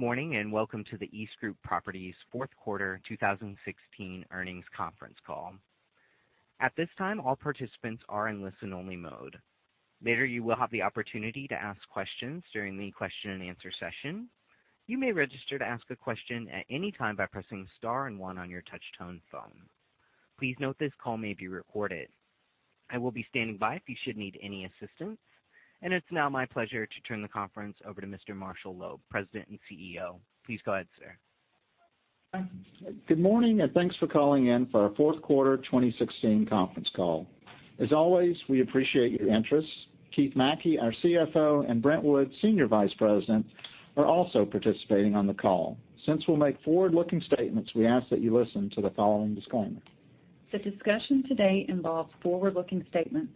Morning. Welcome to the EastGroup Properties fourth quarter 2016 earnings conference call. At this time, all participants are in listen-only mode. Later, you will have the opportunity to ask questions during the question and answer session. You may register to ask a question at any time by pressing star and one on your touch-tone phone. Please note this call may be recorded. I will be standing by if you should need any assistance. It's now my pleasure to turn the conference over to Mr. Marshall Loeb, President and CEO. Please go ahead, sir. Good morning. Thanks for calling in for our fourth quarter 2016 conference call. As always, we appreciate your interest. Keith McKey, our CFO, and Brent Wood, Senior Vice President, are also participating on the call. Since we'll make forward-looking statements, we ask that you listen to the following disclaimer. The discussion today involves forward-looking statements.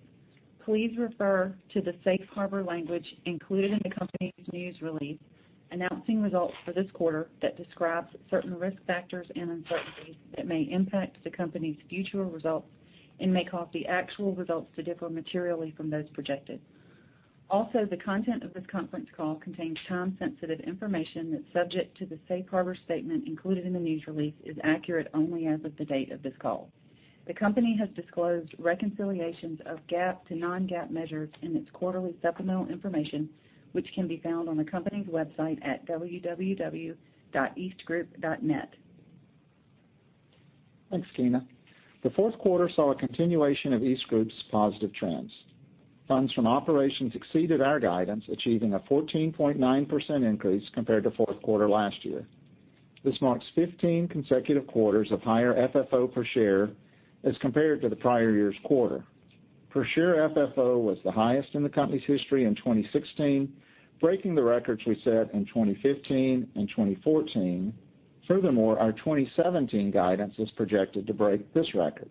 Please refer to the safe harbor language included in the company's news release announcing results for this quarter that describes certain risk factors and uncertainties that may impact the company's future results and may cause the actual results to differ materially from those projected. Also, the content of this conference call contains time-sensitive information that's subject to the safe harbor statement included in the news release is accurate only as of the date of this call. The company has disclosed reconciliations of GAAP to non-GAAP measures in its quarterly supplemental information, which can be found on the company's website at www.eastgroup.net. Thanks, Gina. The fourth quarter saw a continuation of EastGroup's positive trends. Funds from operations exceeded our guidance, achieving a 14.9% increase compared to fourth quarter last year. This marks 15 consecutive quarters of higher FFO per share as compared to the prior year's quarter. Per share FFO was the highest in the company's history in 2016, breaking the records we set in 2015 and 2014. Furthermore, our 2017 guidance is projected to break this record.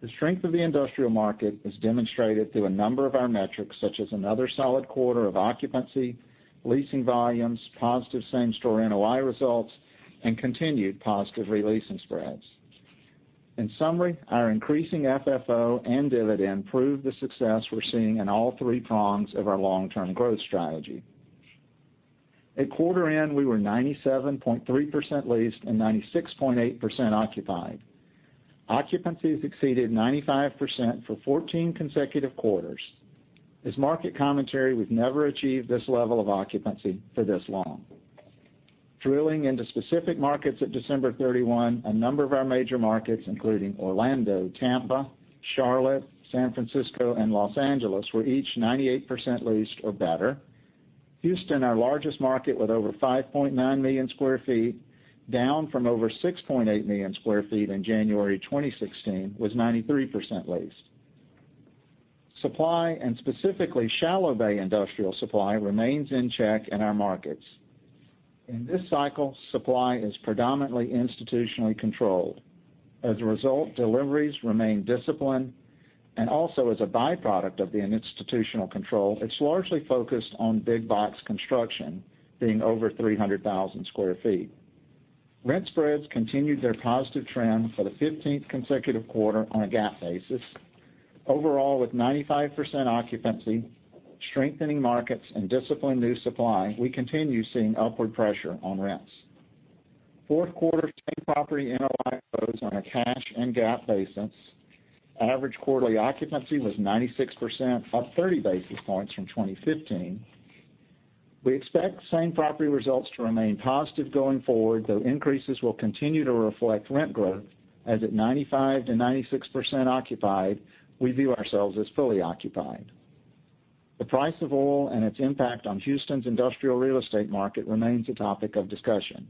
The strength of the industrial market is demonstrated through a number of our metrics, such as another solid quarter of occupancy, leasing volumes, positive same-store NOI results, and continued positive re-leasing spreads. In summary, our increasing FFO and dividend prove the success we're seeing in all three prongs of our long-term growth strategy. At quarter end, we were 97.3% leased and 96.8% occupied. Occupancy has exceeded 95% for 14 consecutive quarters. As market commentary, we've never achieved this level of occupancy for this long. Drilling into specific markets at December 31, a number of our major markets, including Orlando, Tampa, Charlotte, San Francisco, and Los Angeles, were each 98% leased or better. Houston, our largest market with over 5.9 million sq ft, down from over 6.8 million sq ft in January 2016, was 93% leased. Supply, and specifically shallow bay industrial supply, remains in check in our markets. In this cycle, supply is predominantly institutionally controlled. As a result, deliveries remain disciplined, and also as a byproduct of the institutional control, it's largely focused on big box construction being over 300,000 sq ft. Rent spreads continued their positive trend for the 15th consecutive quarter on a GAAP basis. Overall, with 95% occupancy, strengthening markets, and disciplined new supply, we continue seeing upward pressure on rents. Fourth quarter same property NOI flows on a cash and GAAP basis. Average quarterly occupancy was 96%, up 30 basis points from 2015. We expect same property results to remain positive going forward, though increases will continue to reflect rent growth as at 95%-96% occupied, we view ourselves as fully occupied. The price of oil and its impact on Houston's industrial real estate market remains a topic of discussion.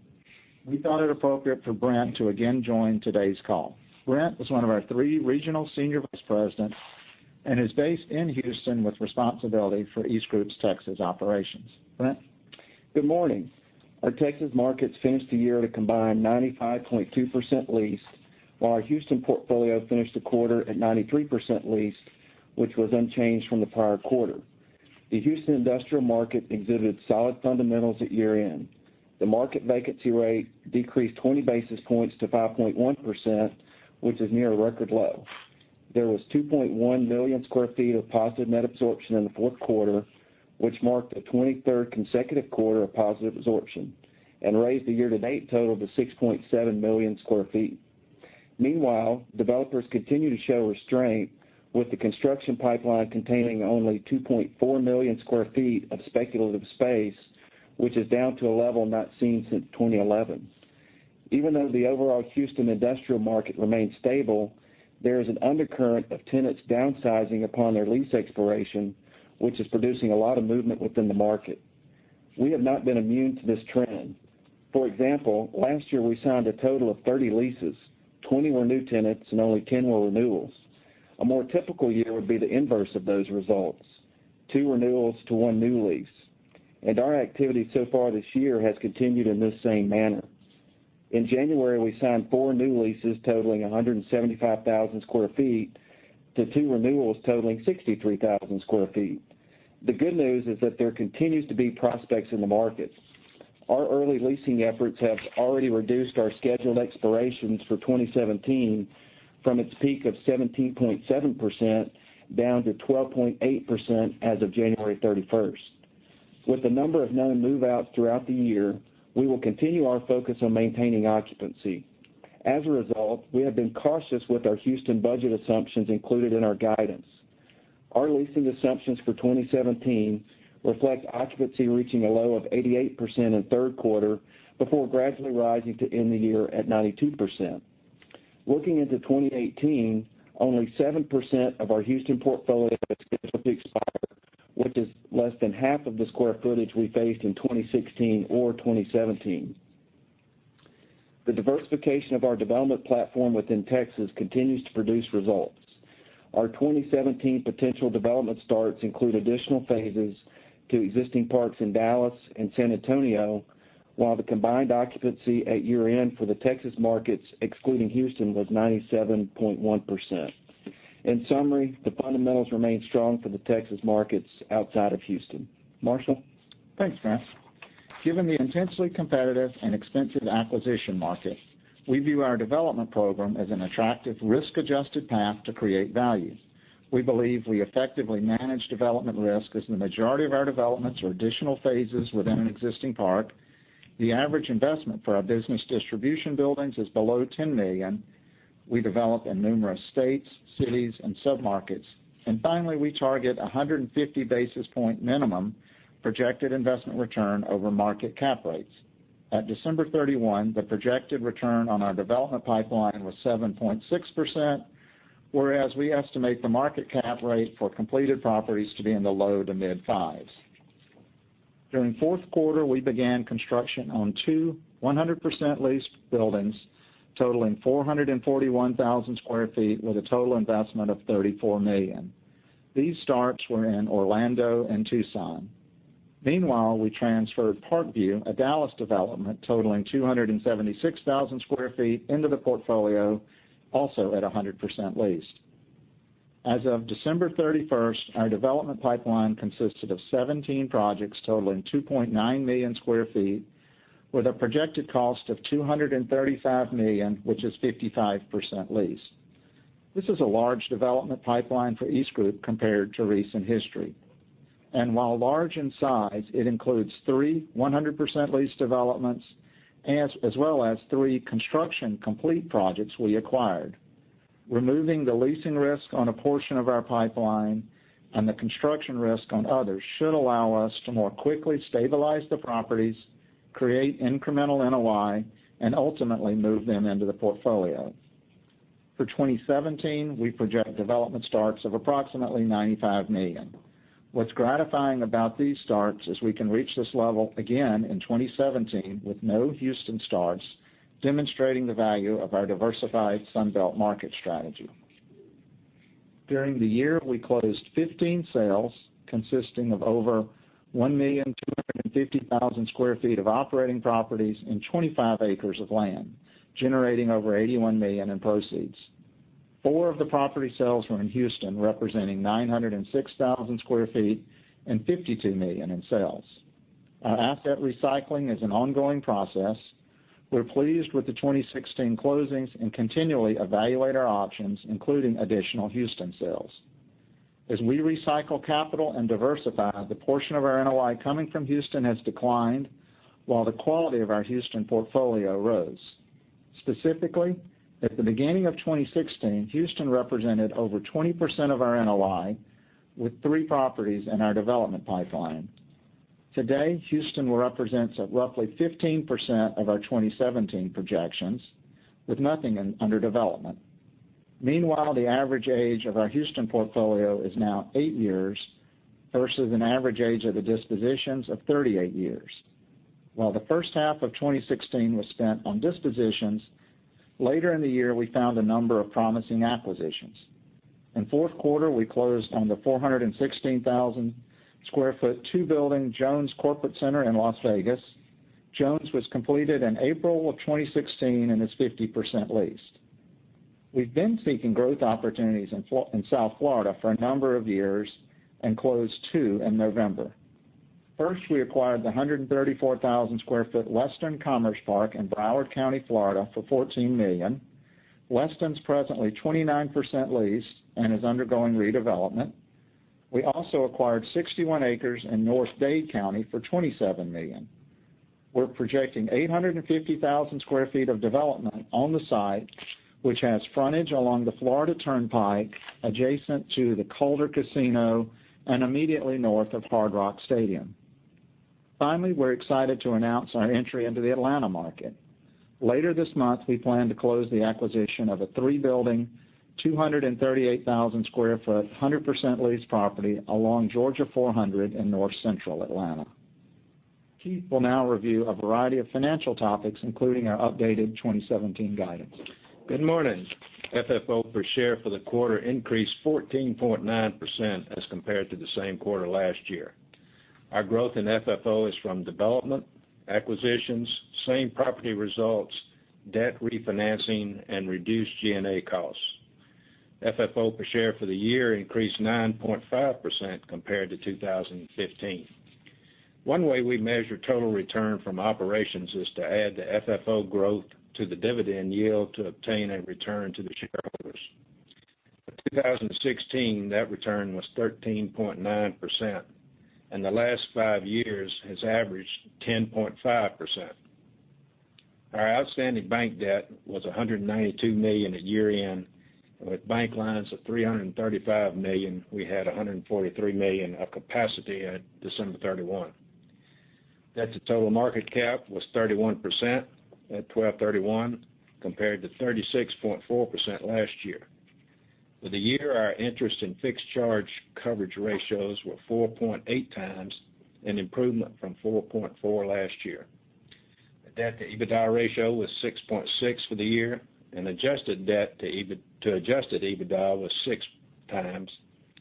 We thought it appropriate for Brent to again join today's call. Brent is one of our three regional Senior Vice Presidents and is based in Houston with responsibility for EastGroup's Texas operations. Brent? Good morning. Our Texas markets finished the year at a combined 95.2% leased, while our Houston portfolio finished the quarter at 93% leased, which was unchanged from the prior quarter. The Houston industrial market exhibited solid fundamentals at year-end. The market vacancy rate decreased 20 basis points to 5.1%, which is near a record low. There was 2.1 million sq ft of positive net absorption in the fourth quarter, which marked a 23rd consecutive quarter of positive absorption and raised the year-to-date total to 6.7 million sq ft. Developers continue to show restraint with the construction pipeline containing only 2.4 million sq ft of speculative space, which is down to a level not seen since 2011. Even though the overall Houston industrial market remains stable, there is an undercurrent of tenants downsizing upon their lease expiration, which is producing a lot of movement within the market. We have not been immune to this trend. For example, last year, we signed a total of 30 leases, 20 were new tenants, and only 10 were renewals. A more typical year would be the inverse of those results, two renewals to one new lease. Our activity so far this year has continued in this same manner. In January, we signed four new leases totaling 175,000 sq ft to two renewals totaling 63,000 sq ft. The good news is that there continues to be prospects in the market. Our early leasing efforts have already reduced our scheduled expirations for 2017 from its peak of 17.7% down to 12.8% as of January 31st. With the number of known move-outs throughout the year, we will continue our focus on maintaining occupancy. As a result, we have been cautious with our Houston budget assumptions included in our guidance. Our leasing assumptions for 2017 reflect occupancy reaching a low of 88% in third quarter before gradually rising to end the year at 92%. Looking into 2018, only 7% of our Houston portfolio is scheduled to expire, which is less than half of the square footage we faced in 2016 or 2017. The diversification of our development platform within Texas continues to produce results. Our 2017 potential development starts include additional phases to existing parks in Dallas and San Antonio, while the combined occupancy at year-end for the Texas markets, excluding Houston, was 97.1%. In summary, the fundamentals remain strong for the Texas markets outside of Houston. Marshall? Thanks, Frank. Given the intensely competitive and expensive acquisition market, we view our development program as an attractive risk-adjusted path to create value. We believe we effectively manage development risk as the majority of our developments are additional phases within an existing park. The average investment for our business distribution buildings is below $10 million. We develop in numerous states, cities, and submarkets. Finally, we target 150 basis point minimum projected investment return over market cap rates. At December 31, the projected return on our development pipeline was 7.6%, whereas we estimate the market cap rate for completed properties to be in the low to mid fives. During fourth quarter, we began construction on 2 100% leased buildings totaling 441,000 sq ft with a total investment of $34 million. These starts were in Orlando and Tucson. Meanwhile, we transferred Parkview, a Dallas development totaling 276,000 sq ft into the portfolio, also at 100% leased. As of December 31st, our development pipeline consisted of 17 projects totaling 2.9 million sq ft with a projected cost of $235 million, which is 55% leased. This is a large development pipeline for EastGroup compared to recent history. While large in size, it includes 3 100% leased developments, as well as 3 construction complete projects we acquired. Removing the leasing risk on a portion of our pipeline and the construction risk on others should allow us to more quickly stabilize the properties, create incremental NOI, and ultimately move them into the portfolio. For 2017, we project development starts of approximately $95 million. What's gratifying about these starts is we can reach this level again in 2017 with no Houston starts, demonstrating the value of our diversified Sun Belt market strategy. During the year, we closed 15 sales consisting of over 1,250,000 sq ft of operating properties and 25 acres of land, generating over $81 million in proceeds. 4 of the property sales were in Houston, representing 906,000 sq ft and $52 million in sales. Our asset recycling is an ongoing process. We're pleased with the 2016 closings and continually evaluate our options, including additional Houston sales. As we recycle capital and diversify, the portion of our NOI coming from Houston has declined while the quality of our Houston portfolio rose. Specifically, at the beginning of 2016, Houston represented over 20% of our NOI, with 3 properties in our development pipeline. Today, Houston represents roughly 15% of our 2017 projections, with nothing under development. Meanwhile, the average age of our Houston portfolio is now 8 years versus an average age of the dispositions of 38 years. While the first half of 2016 was spent on dispositions, later in the year, we found a number of promising acquisitions. In fourth quarter, we closed on the 416,000 sq ft, two-building Jones Corporate Park in Las Vegas. Jones was completed in April of 2016 and is 50% leased. We've been seeking growth opportunities in South Florida for a number of years and closed two in November. First, we acquired the 134,000 sq ft Weston Commerce Park in Broward County, Florida for $14 million. Weston's presently 29% leased and is undergoing redevelopment. We also acquired 61 acres in North Dade County for $27 million. We're projecting 850,000 sq ft of development on the site, which has frontage along the Florida Turnpike, adjacent to the Calder Casino and immediately north of Hard Rock Stadium. Finally, we're excited to announce our entry into the Atlanta market. Later this month, we plan to close the acquisition of a three-building, 238,000 sq ft, 100% leased property along Georgia 400 in North Central Atlanta. Keith will now review a variety of financial topics, including our updated 2017 guidance. Good morning. FFO per share for the quarter increased 14.9% as compared to the same quarter last year. Our growth in FFO is from development, acquisitions, same property results, debt refinancing, and reduced G&A costs. FFO per share for the year increased 9.5% compared to 2015. One way we measure total return from operations is to add the FFO growth to the dividend yield to obtain a return to the shareholders. For 2016, net return was 13.9%, and the last five years has averaged 10.5%. Our outstanding bank debt was $192 million at year-end. With bank lines of $335 million, we had $143 million of capacity at December 31. Debt to total market cap was 31% at 12/31 compared to 36.4% last year. For the year, our interest and fixed charge coverage ratios were 4.8 times, an improvement from 4.4 last year. The debt-to-EBITDA ratio was 6.6 for the year, adjusted debt to adjusted EBITDA was 6 times,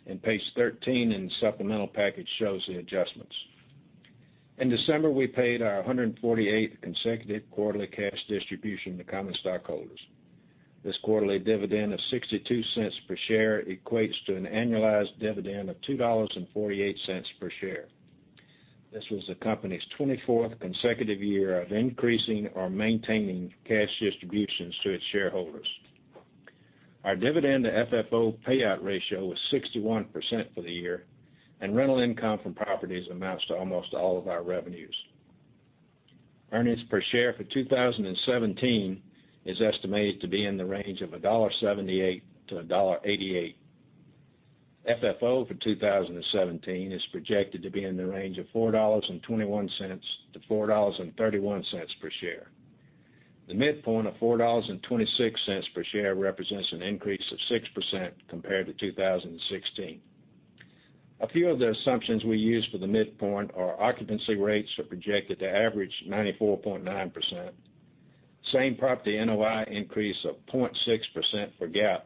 and page 13 in the supplemental package shows the adjustments. In December, we paid our 148th consecutive quarterly cash distribution to common stockholders. This quarterly dividend of $0.62 per share equates to an annualized dividend of $2.48 per share. This was the company's 24th consecutive year of increasing or maintaining cash distributions to its shareholders. Our dividend to FFO payout ratio was 61% for the year, rental income from properties amounts to almost all of our revenues. Earnings per share for 2017 is estimated to be in the range of $1.78 to $1.88. FFO for 2017 is projected to be in the range of $4.21 to $4.31 per share. The midpoint of $4.26 per share represents an increase of 6% compared to 2016. A few of the assumptions we used for the midpoint are occupancy rates are projected to average 94.9%. Same-property NOI increase of 0.6% for GAAP.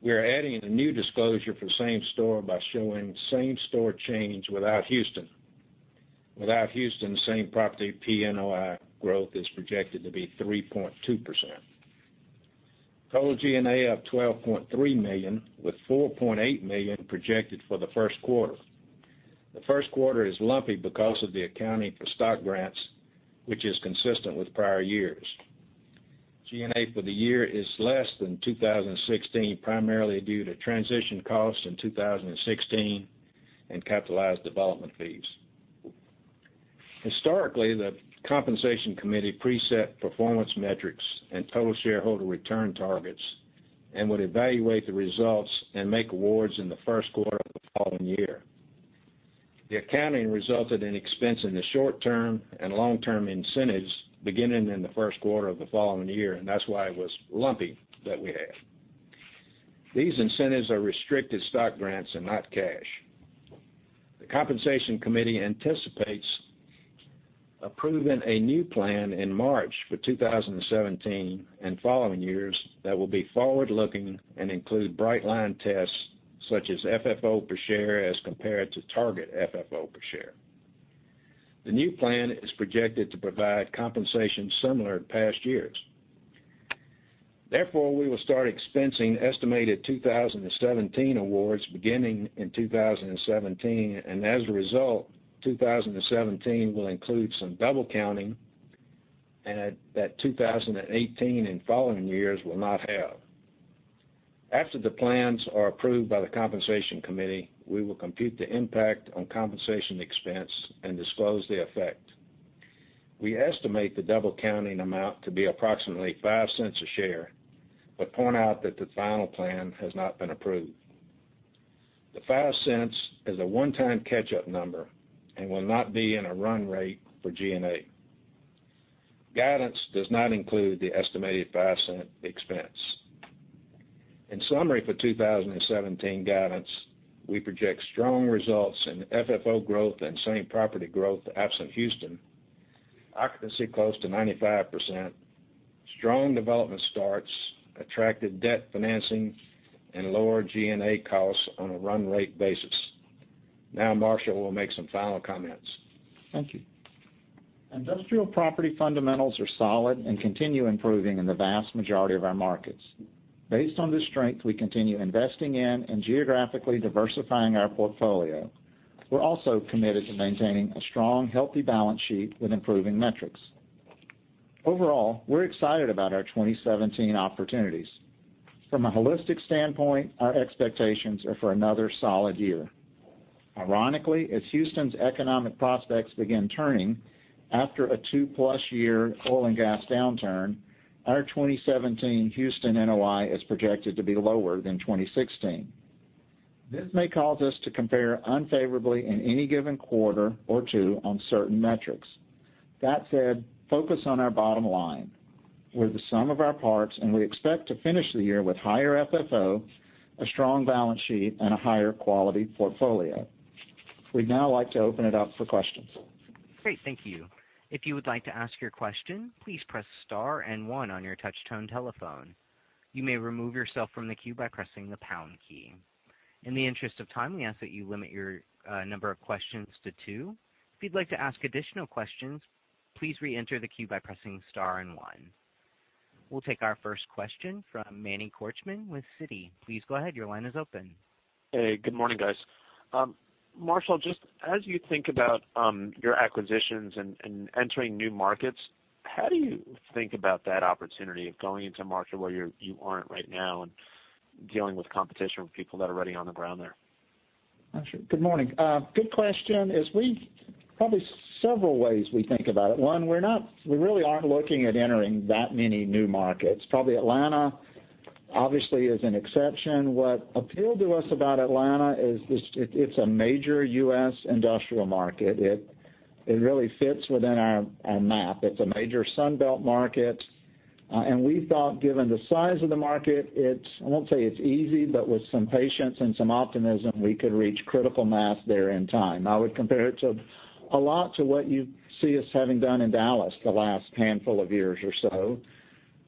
We are adding a new disclosure for same store by showing same-store change without Houston. Without Houston, same-property PNOI growth is projected to be 3.2%. Total G&A up $12.3 million, with $4.8 million projected for the first quarter. The first quarter is lumpy because of the accounting for stock grants, which is consistent with prior years. G&A for the year is less than 2016, primarily due to transition costs in 2016 and capitalized development fees. Historically, the Compensation Committee preset performance metrics and total shareholder return targets and would evaluate the results and make awards in the first quarter of the following year. The accounting resulted in expense in the short-term and long-term incentives beginning in the first quarter of the following year. That's why it was lumpy that we had. These incentives are restricted stock grants and not cash. The Compensation Committee anticipates approving a new plan in March for 2017 and following years that will be forward-looking and include bright line tests such as FFO per share as compared to target FFO per share. The new plan is projected to provide compensation similar to past years. We will start expensing estimated 2017 awards beginning in 2017, and as a result, 2017 will include some double counting that 2018 and following years will not have. After the plans are approved by the Compensation Committee, we will compute the impact on compensation expense and disclose the effect. We estimate the double counting amount to be approximately $0.05 a share but point out that the final plan has not been approved. The $0.05 is a one-time catch-up number and will not be in a run rate for G&A. Guidance does not include the estimated $0.05 expense. In summary for 2017 guidance, we project strong results in FFO growth and same-property growth absent Houston, occupancy close to 95%, strong development starts, attractive debt financing, and lower G&A costs on a run rate basis. Marshall will make some final comments. Thank you. Industrial property fundamentals are solid and continue improving in the vast majority of our markets. Based on this strength, we continue investing in and geographically diversifying our portfolio. We're also committed to maintaining a strong, healthy balance sheet with improving metrics. Overall, we're excited about our 2017 opportunities. From a holistic standpoint, our expectations are for another solid year. Ironically, as Houston's economic prospects begin turning after a two-plus year oil and gas downturn, our 2017 Houston NOI is projected to be lower than 2016. This may cause us to compare unfavorably in any given quarter or two on certain metrics. That said, focus on our bottom line. We're the sum of our parts, and we expect to finish the year with higher FFO, a strong balance sheet, and a higher-quality portfolio. We'd now like to open it up for questions. Great, thank you. If you would like to ask your question, please press star and one on your touch-tone telephone. You may remove yourself from the queue by pressing the pound key. In the interest of time, we ask that you limit your number of questions to two. If you'd like to ask additional questions, please reenter the queue by pressing star and one. We'll take our first question from Manny Korchman with Citi. Please go ahead. Your line is open. Hey, good morning, guys. Marshall, just as you think about your acquisitions and entering new markets, how do you think about that opportunity of going into a market where you aren't right now and dealing with competition with people that are already on the ground there? Got you. Good morning. Good question. Probably several ways we think about it. One, we really aren't looking at entering that many new markets. Probably Atlanta, obviously, is an exception. What appealed to us about Atlanta is it's a major U.S. industrial market. It really fits within our map. It's a major Sunbelt market. We thought, given the size of the market, I won't say it's easy, but with some patience and some optimism, we could reach critical mass there in time. I would compare it a lot to what you see us having done in Dallas the last handful of years or so.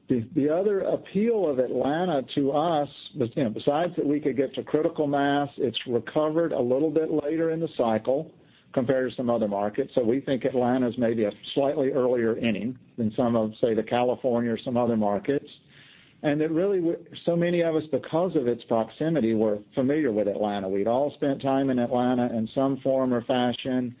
The other appeal of Atlanta to us, besides that we could get to critical mass, it's recovered a little bit later in the cycle compared to some other markets. We think Atlanta's maybe a slightly earlier inning than some of, say, the California or some other markets. Many of us, because of its proximity, we're familiar with Atlanta. We'd all spent time in Atlanta in some form or fashion,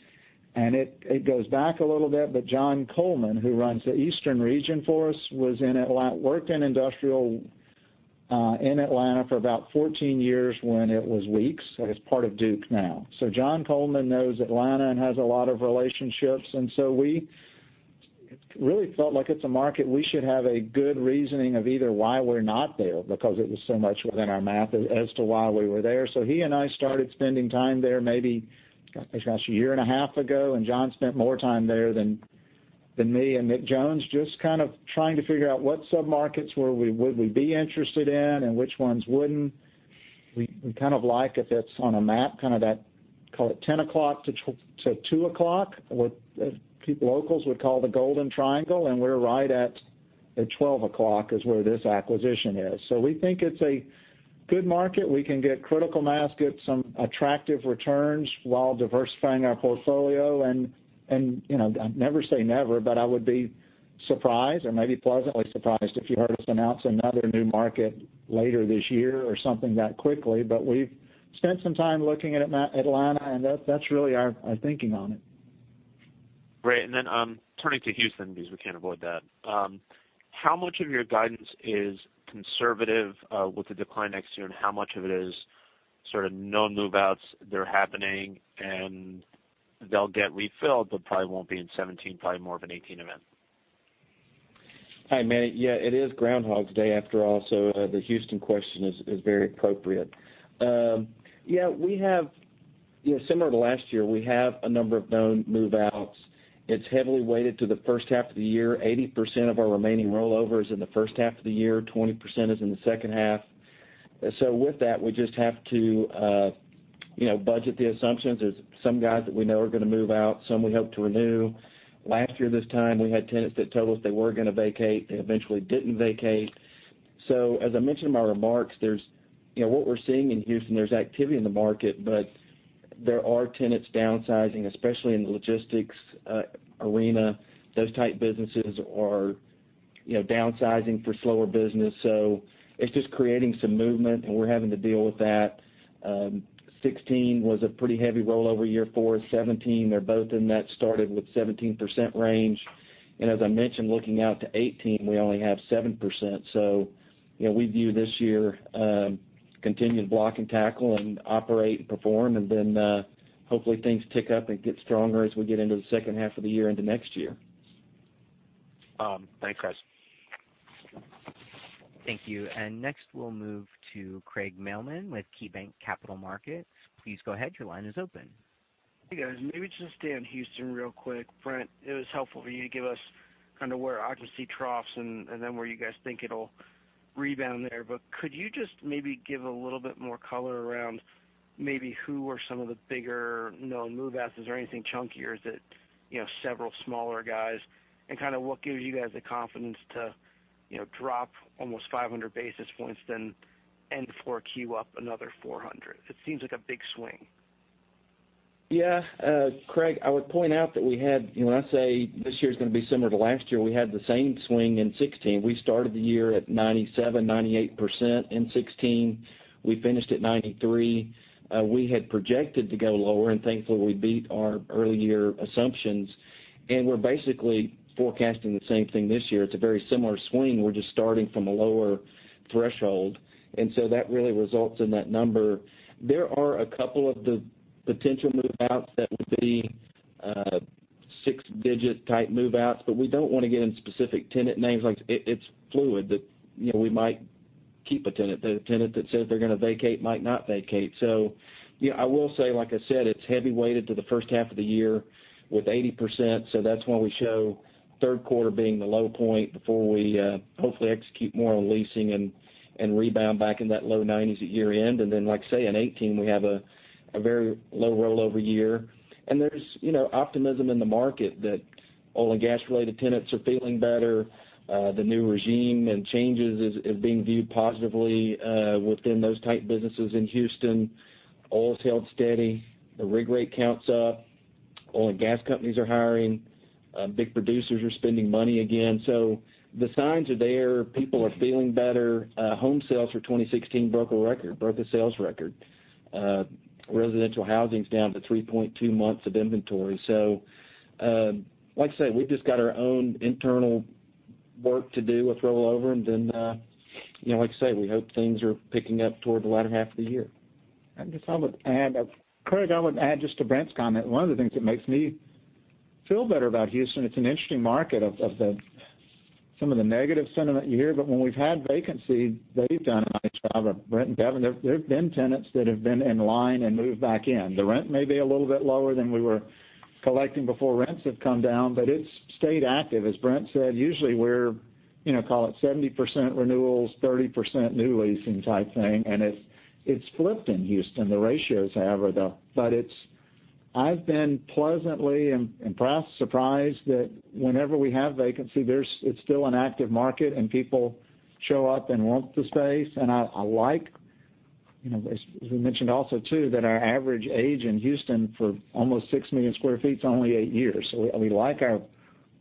and it goes back a little bit. John Coleman, who runs the eastern region for us, worked in industrial in Atlanta for about 14 years when it was Weeks. It is part of Duke now. John Coleman knows Atlanta and has a lot of relationships, we really felt like it's a market we should have a good reasoning of either why we're not there, because it was so much within our map, as to why we were there. He and I started spending time there, maybe, gosh, a year and a half ago, John spent more time there than me and Nick Jones, just kind of trying to figure out what submarkets would we be interested in and which ones wouldn't. We kind of like, if it's on a map, kind of that, call it 10:00 o'clock to 2:00 o'clock, what locals would call the Golden Triangle. We're right at 12:00 o'clock is where this acquisition is. We think it's a good market. We can get critical mass, get some attractive returns while diversifying our portfolio. I never say never, but I would be surprised or maybe pleasantly surprised if you heard us announce another new market later this year or something that quickly. We've spent some time looking at Atlanta, that's really our thinking on it. Great. Turning to Houston, because we can't avoid that. How much of your guidance is conservative with the decline next year, and how much of it is sort of known move-outs that are happening and they'll get refilled, but probably won't be in 2017, probably more of a 2018 event? Hi, Manny. It is Groundhog Day after all, the Houston question is very appropriate. Similar to last year, we have a number of known move-outs. It's heavily weighted to the first half of the year. 80% of our remaining rollover is in the first half of the year, 20% is in the second half. With that, we just have to budget the assumptions. There's some guys that we know are going to move out, some we hope to renew. Last year, this time, we had tenants that told us they were going to vacate. They eventually didn't vacate. As I mentioned in my remarks, what we're seeing in Houston, there's activity in the market, but there are tenants downsizing, especially in the logistics arena. Those type businesses are downsizing for slower business. It's just creating some movement, and we're having to deal with that. 2016 was a pretty heavy rollover year for us. 2017, they're both in that started with 17% range. As I mentioned, looking out to 2018, we only have 7%. We view this year continuing to block and tackle and operate and perform, and then hopefully things tick up and get stronger as we get into the second half of the year into next year. Thanks, guys. Thank you. Next we'll move to Craig Mailman with KeyBanc Capital Markets. Please go ahead. Your line is open. Hey, guys. Maybe just stay on Houston real quick. Brent, it was helpful for you to give us kind of where occupancy troughs, then where you guys think it'll rebound there. Could you just maybe give a little bit more color around maybe who are some of the bigger known move-outs? Is there anything chunkier? Is it several smaller guys? What gives you guys the confidence to drop almost 500 basis points, then end 4Q up another 400? It seems like a big swing. Yeah. Craig, I would point out that when I say this year's going to be similar to last year, we had the same swing in 2016. We started the year at 97%, 98% in 2016. We finished at 93%. We had projected to go lower, thankfully, we beat our earlier assumptions, we're basically forecasting the same thing this year. It's a very similar swing. We're just starting from a lower threshold. That really results in that number. There are a couple of the potential move-outs that would be six-digit type move-outs, we don't want to get into specific tenant names. It's fluid. We might keep a tenant. The tenant that says they're going to vacate might not vacate. I will say, like I said, it's heavy weighted to the first half of the year with 80%. That's why we show third quarter being the low point before we hopefully execute more on leasing and rebound back in that low 90s at year-end. Like I say, in 2018, we have a very low rollover year. There's optimism in the market that oil and gas-related tenants are feeling better. The new regime and changes is being viewed positively within those type businesses in Houston. Oil's held steady. The rig rate count's up. Oil and gas companies are hiring. Big producers are spending money again. The signs are there. People are feeling better. Home sales for 2016 broke a sales record. Residential housing's down to 3.2 months of inventory. Like I said, we've just got our own internal work to do with rollover, and then, like I say, we hope things are picking up toward the latter half of the year. Just I would add, Craig, I would add just to Brent's comment, one of the things that makes me feel better about Houston, it's an interesting market of some of the negative sentiment you hear, but when we've had vacancy, they've done a nice job of, Brent and Kevin, there've been tenants that have been in line and moved back in. The rent may be a little bit lower than we were collecting before. Rents have come down, but it's stayed active. As Brent said, usually we're call it 70% renewals, 30% new leasing type thing, and it's flipped in Houston, the ratios have. I've been pleasantly impressed, surprised that whenever we have vacancy, it's still an active market and people show up and want the space. I like, as we mentioned also too, that our average age in Houston for almost 6 million sq ft is only 8 years. We like our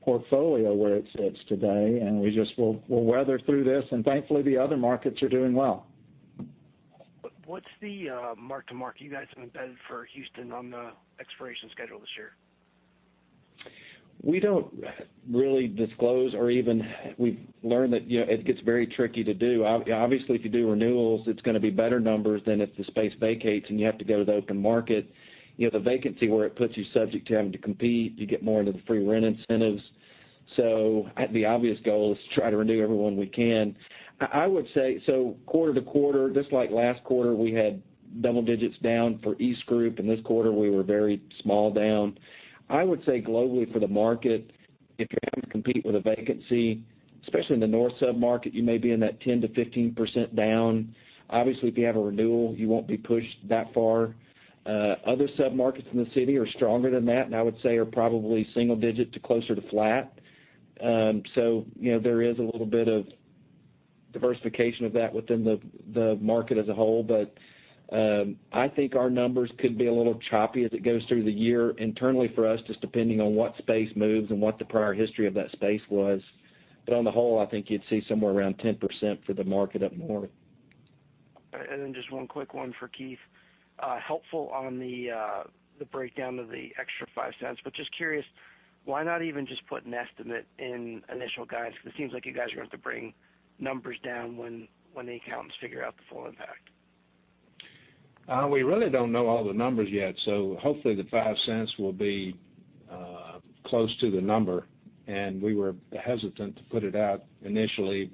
portfolio where it sits today, and we just will weather through this, and thankfully the other markets are doing well. What's the mark to mark you guys have embedded for Houston on the expiration schedule this year? We've learned that it gets very tricky to do. Obviously, if you do renewals, it's going to be better numbers than if the space vacates and you have to go to the open market. The vacancy where it puts you subject to having to compete, you get more into the free rent incentives. The obvious goal is to try to renew everyone we can. I would say, quarter-to-quarter, just like last quarter, we had double-digits down for EastGroup, and this quarter we were very small down. I would say globally for the market, if you're having to compete with a vacancy, especially in the north submarket, you may be in that 10%-15% down. Obviously, if you have a renewal, you won't be pushed that far. Other submarkets in the city are stronger than that, and I would say are probably single-digit to closer to flat. There is a little bit of diversification of that within the market as a whole. I think our numbers could be a little choppy as it goes through the year internally for us, just depending on what space moves and what the prior history of that space was. On the whole, I think you'd see somewhere around 10% for the market up north. Just one quick one for Keith. Helpful on the breakdown of the extra $0.05, just curious, why not even just put an estimate in initial guidance? It seems like you guys are going to have to bring numbers down when the accountants figure out the full impact. We really don't know all the numbers yet, hopefully the $0.05 will be close to the number. We were hesitant to put it out initially,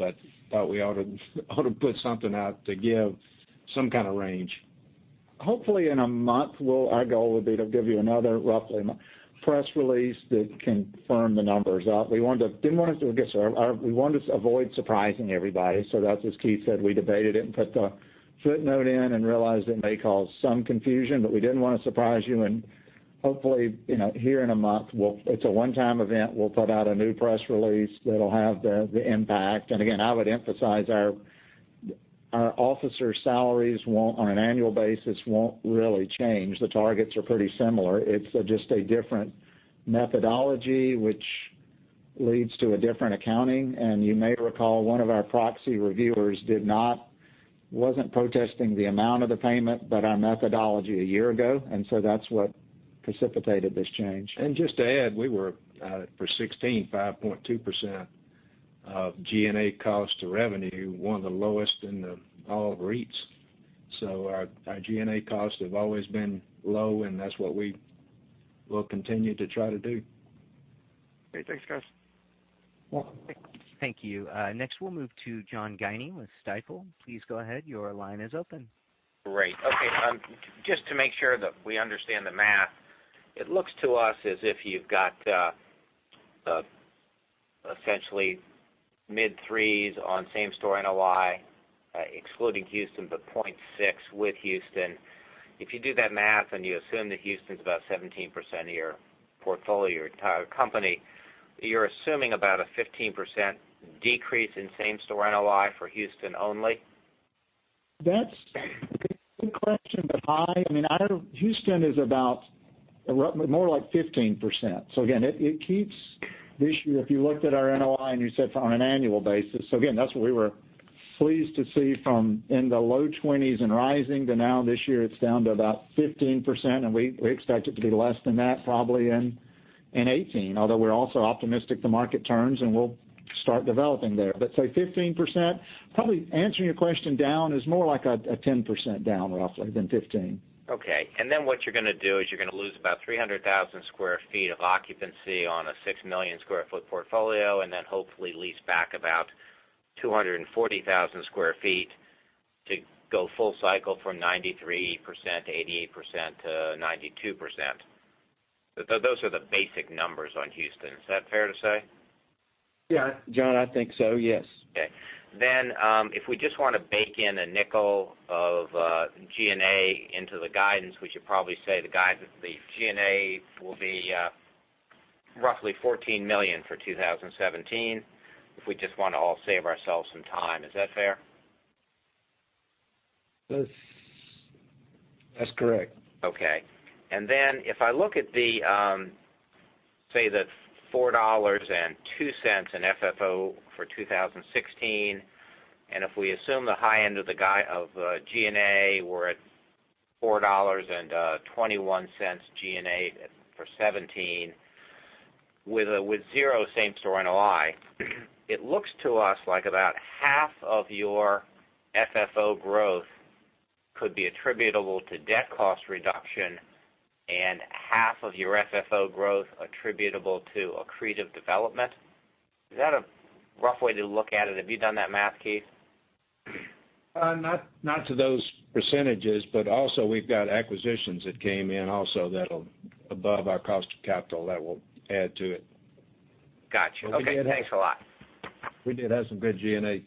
thought we ought to put something out to give some kind of range. Hopefully, in a month, our goal would be to give you another roughly press release that can firm the numbers up. We wanted to avoid surprising everybody, that's as Keith said, we debated it and put the footnote in and realized it may cause some confusion, we didn't want to surprise you. Hopefully, here in a month, it's a one-time event. We'll put out a new press release that'll have the impact. Again, I would emphasize our officer salaries, on an annual basis, won't really change. The targets are pretty similar. It's just a different methodology, which leads to a different accounting. You may recall, one of our proxy reviewers wasn't protesting the amount of the payment, but our methodology a year ago, and so that's what precipitated this change. Just to add, we were, for 2016, 5.2% of G&A cost to revenue, one of the lowest in the all of REITs. Our G&A costs have always been low, and that's what we will continue to try to do. Great. Thanks, guys. Welcome. Thank you. Next, we'll move to John Guinee with Stifel. Please go ahead. Your line is open. Great. Okay. Just to make sure that we understand the math, it looks to us as if you've got essentially mid threes on same store NOI, excluding Houston, but 0.6 with Houston. If you do that math and you assume that Houston's about 17% of your portfolio, your entire company, you're assuming about a 15% decrease in same store NOI for Houston only? That's a good question, Houston is about more like 15%. Again, this year, if you looked at our NOI and you said on an annual basis. Again, that's what we were pleased to see from in the low 20s and rising to now this year, it's down to about 15%, and we expect it to be less than that probably in 2018, although we're also optimistic the market turns, and we'll start developing there. Say 15%, probably answering your question down is more like a 10% down roughly than 15. Okay. Then what you're going to do is you're going to lose about 300,000 sq ft of occupancy on a 6 million sq ft portfolio, then hopefully lease back about 240,000 sq ft to go full cycle from 93%, to 88%, to 92%. Those are the basic numbers on Houston. Is that fair to say? Yeah, John, I think so, yes. Okay. If we just want to bake in $0.05 of G&A into the guidance, we should probably say the G&A will be roughly $14 million for 2017, if we just want to all save ourselves some time. Is that fair? That's correct. Okay. If I look at the, say, the $4.02 in FFO for 2016, if we assume the high end of G&A, we're at $4.21 G&A for 2017 with zero same-store NOI. It looks to us like about half of your FFO growth could be attributable to debt cost reduction and half of your FFO growth attributable to accretive development. Is that a rough way to look at it? Have you done that math, Keith? Not to those percentages, also we've got acquisitions that came in also that'll above our cost of capital that will add to it. Got you. Okay, thanks a lot. We did have some good G&A,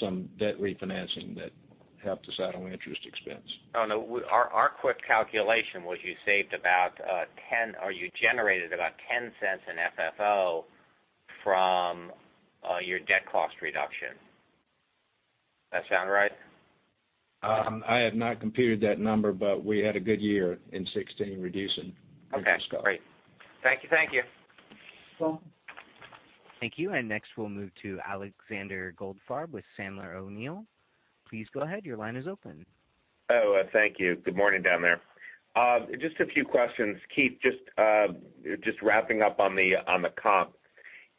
some debt refinancing that helped us out on interest expense. Oh, no. Our quick calculation was you saved about $0.10 or you generated about $0.10 in FFO from your debt cost reduction. That sound right? I have not computed that number. We had a good year in 2016 reducing interest cost. Okay, great. Thank you. Thank you. Next we'll move to Alexander Goldfarb with Sandler O'Neill. Please go ahead. Your line is open. Thank you. Good morning down there. Just a few questions. Keith, just wrapping up on the comp.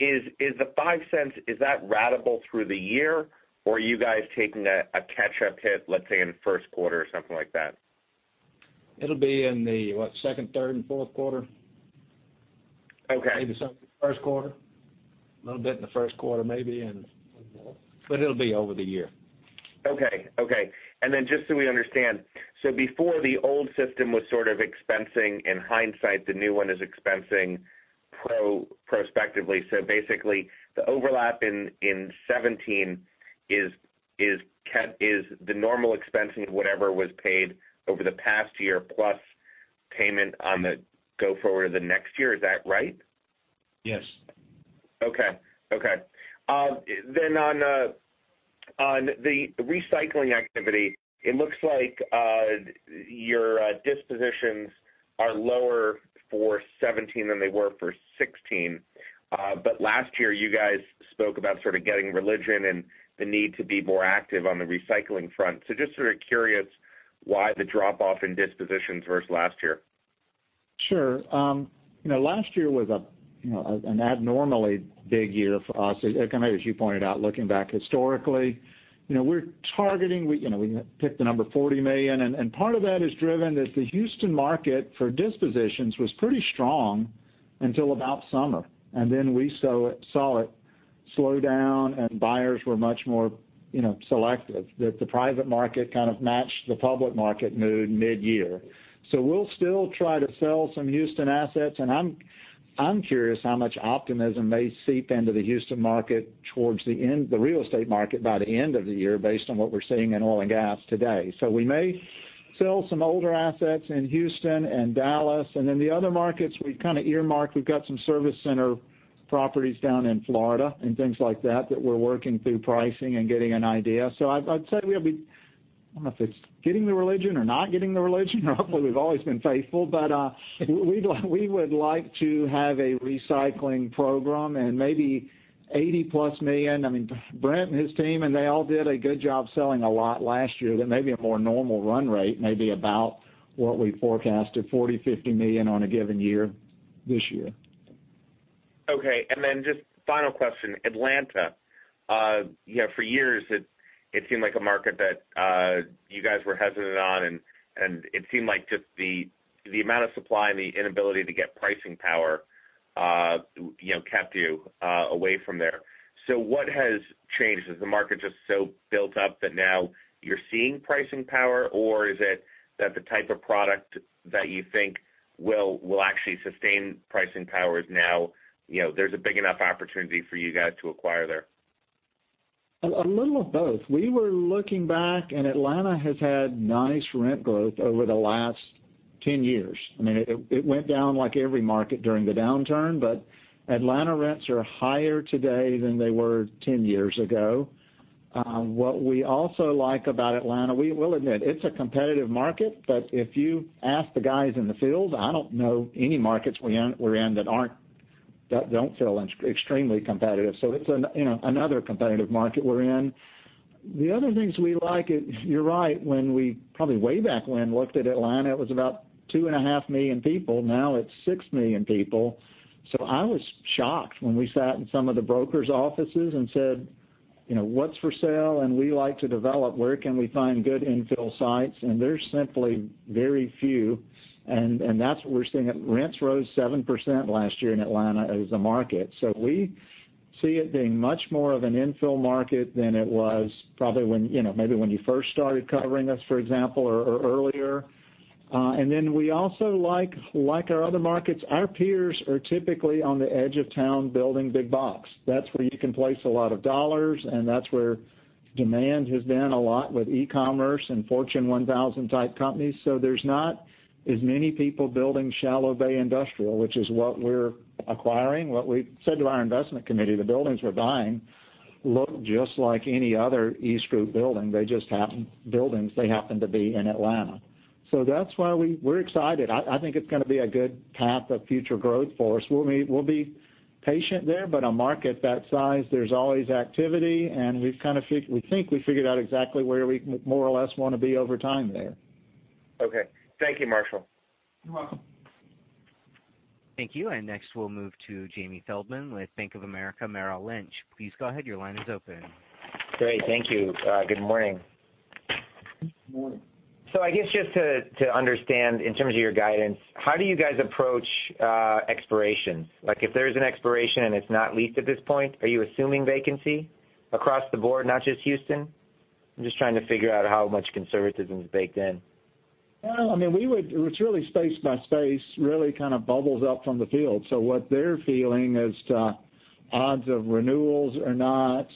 Is the $0.05, is that ratable through the year or are you guys taking a catch-up hit, let's say, in the first quarter or something like that? It'll be in the, what, second, third, and fourth quarter. Okay. Maybe some first quarter. Little bit in the first quarter maybe. It'll be over the year. Okay. Just so we understand. Before the old system was sort of expensing, in hindsight, the new one is expensing prospectively. Basically, the overlap in 2017 is the normal expensing of whatever was paid over the past year, plus payment on the go forward to the next year. Is that right? Yes. Okay. On the recycling activity, it looks like your dispositions are lower for 2017 than they were for 2016. Last year, you guys spoke about sort of getting religion and the need to be more active on the recycling front. Just sort of curious why the drop-off in dispositions versus last year. Sure. Last year was an abnormally big year for us, as you pointed out, looking back historically. We're targeting, we picked the number $40 million, and part of that is driven that the Houston market for dispositions was pretty strong until about summer, and then we saw it slow down and buyers were much more selective, that the private market kind of matched the public market mood mid-year. We'll still try to sell some Houston assets, and I'm curious how much optimism may seep into the Houston market towards the end, the real estate market by the end of the year, based on what we're seeing in oil and gas today. We may sell some older assets in Houston and Dallas, and then the other markets we've kind of earmarked. We've got some service center properties down in Florida and things like that we're working through pricing and getting an idea. I'd say we'll be, I don't know if it's getting the religion or not getting the religion, or hopefully we've always been faithful, but we would like to have a recycling program and maybe $80-plus million. Brent Wood and his team, they all did a good job selling a lot last year. That may be a more normal run rate, maybe about what we forecasted, $40 million-$50 million on a given year this year. Just final question. Atlanta. For years, it seemed like a market that you guys were hesitant on, and it seemed like just the amount of supply and the inability to get pricing power kept you away from there. What has changed? Is the market just so built up that now you're seeing pricing power, or is it that the type of product that you think will actually sustain pricing power is now, there's a big enough opportunity for you guys to acquire there? A little of both. We were looking back, Atlanta has had nice rent growth over the last 10 years. It went down like every market during the downturn, but Atlanta rents are higher today than they were 10 years ago. What we also like about Atlanta, we'll admit, it's a competitive market, but if you ask the guys in the field, I don't know any markets we're in that don't feel extremely competitive. It's another competitive market we're in. The other things we like, you're right, when we probably way back when looked at Atlanta, it was about two and a half million people. Now it's 6 million people. I was shocked when we sat in some of the brokers' offices and said, "What's for sale?" We like to develop, where can we find good infill sites? There's simply very few. That's what we're seeing. Rents rose 7% last year in Atlanta as a market. We see it being much more of an infill market than it was probably when maybe you first started covering us, for example, or earlier. We also like our other markets. Our peers are typically on the edge of town building big box. That's where you can place a lot of dollars, and that's where demand has been a lot with e-commerce and Fortune 1,000-type companies. There's not as many people building shallow bay industrial, which is what we're acquiring. What we said to our investment committee, the buildings we're buying look just like any other EastGroup building. They happen to be in Atlanta. That's why we're excited. I think it's going to be a good path of future growth for us. We'll be patient there, but a market that size, there's always activity, and we think we figured out exactly where we more or less want to be over time there. Okay. Thank you, Marshall. You're welcome. Thank you. Next we'll move to Jamie Feldman with Bank of America Merrill Lynch. Please go ahead. Your line is open. Great. Thank you. Good morning. Good morning. I guess just to understand in terms of your guidance, how do you guys approach expirations? If there's an expiration and it's not leased at this point, are you assuming vacancy across the board, not just Houston? I'm just trying to figure out how much conservatism is baked in. It's really space by space, really kind of bubbles up from the field. What they're feeling as to odds of renewals or not.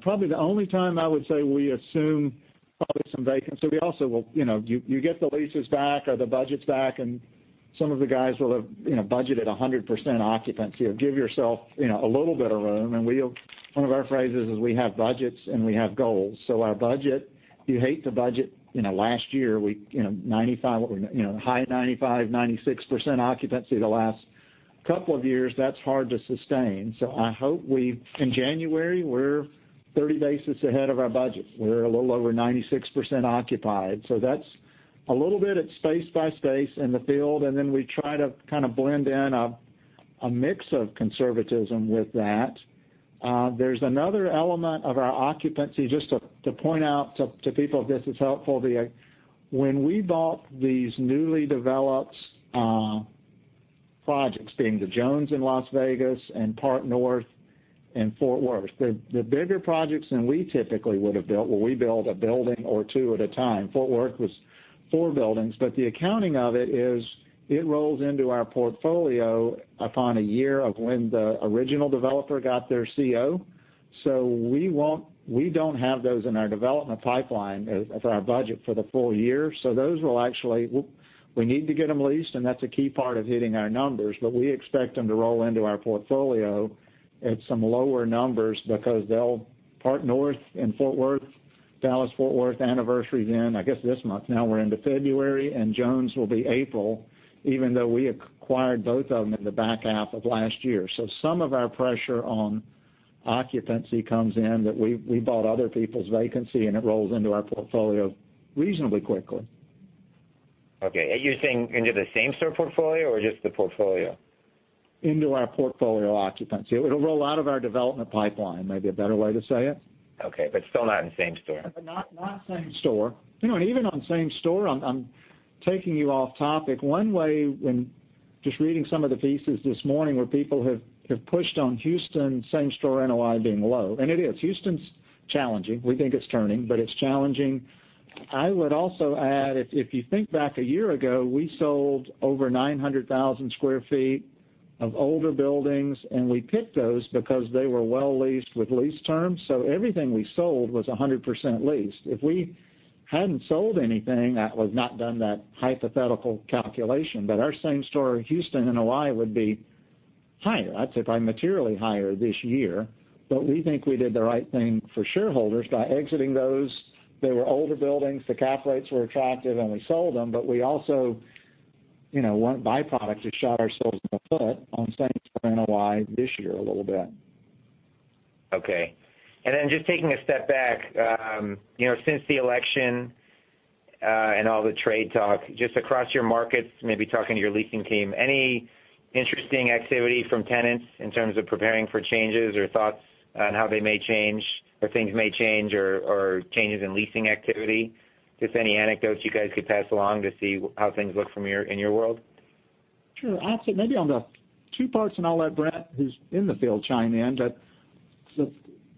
Probably the only time I would say we assume probably some vacancy. You get the leases back or the budgets back and some of the guys will have budgeted 100% occupancy or give yourself a little bit of room. One of our phrases is we have budgets and we have goals. Our budget, you hate the budget. Last year, high 95%-96% occupancy the last couple of years. That's hard to sustain. I hope in January, we're 30 basis ahead of our budget. We're a little over 96% occupied. That's a little bit, it's space by space in the field, and then we try to kind of blend in a mix of conservatism with that. There's another element of our occupancy, just to point out to people, if this is helpful. When we bought these newly developed projects, being The Jones in Las Vegas and Park North in Fort Worth. They're bigger projects than we typically would have built, where we build a building or two at a time. Fort Worth was four buildings. The accounting of it is, it rolls into our portfolio upon a year of when the original developer got their CO. We don't have those in our development pipeline for our budget for the full year. We need to get them leased, and that's a key part of hitting our numbers. We expect them to roll into our portfolio at some lower numbers because Park North in Fort Worth, Dallas Fort Worth anniversary's in, I guess this month now. We're into February. Jones will be April, even though we acquired both of them in the back half of last year. Some of our pressure on occupancy comes in that we bought other people's vacancy, and it rolls into our portfolio reasonably quickly. Okay. Are you saying into the same-store portfolio or just the portfolio? Into our portfolio occupancy. It'll roll out of our development pipeline, may be a better way to say it. Okay. Still not in same store. Not same store. Even on same store, I'm taking you off topic. Just reading some of the pieces this morning where people have pushed on Houston same-store NOI being low, and it is. Houston's challenging. We think it's turning, but it's challenging. I would also add, if you think back a year ago, we sold over 900,000 sq ft of older buildings, and we picked those because they were well-leased with lease terms. Everything we sold was 100% leased. If we hadn't sold anything, that was not done that hypothetical calculation. Our same-store Houston NOI would be higher, I'd say by materially higher this year. We think we did the right thing for shareholders by exiting those. They were older buildings. The cap rates were attractive, and we sold them. We also, one byproduct is shot ourselves in the foot on same-store NOI this year a little bit. Okay. Then just taking a step back. Since the election, and all the trade talk, just across your markets, maybe talking to your leasing team, any interesting activity from tenants in terms of preparing for changes or thoughts on how they may change, or things may change, or changes in leasing activity? Just any anecdotes you guys could pass along to see how things look in your world? I'll say maybe on the two parts. I'll let Brent, who's in the field, chime in. The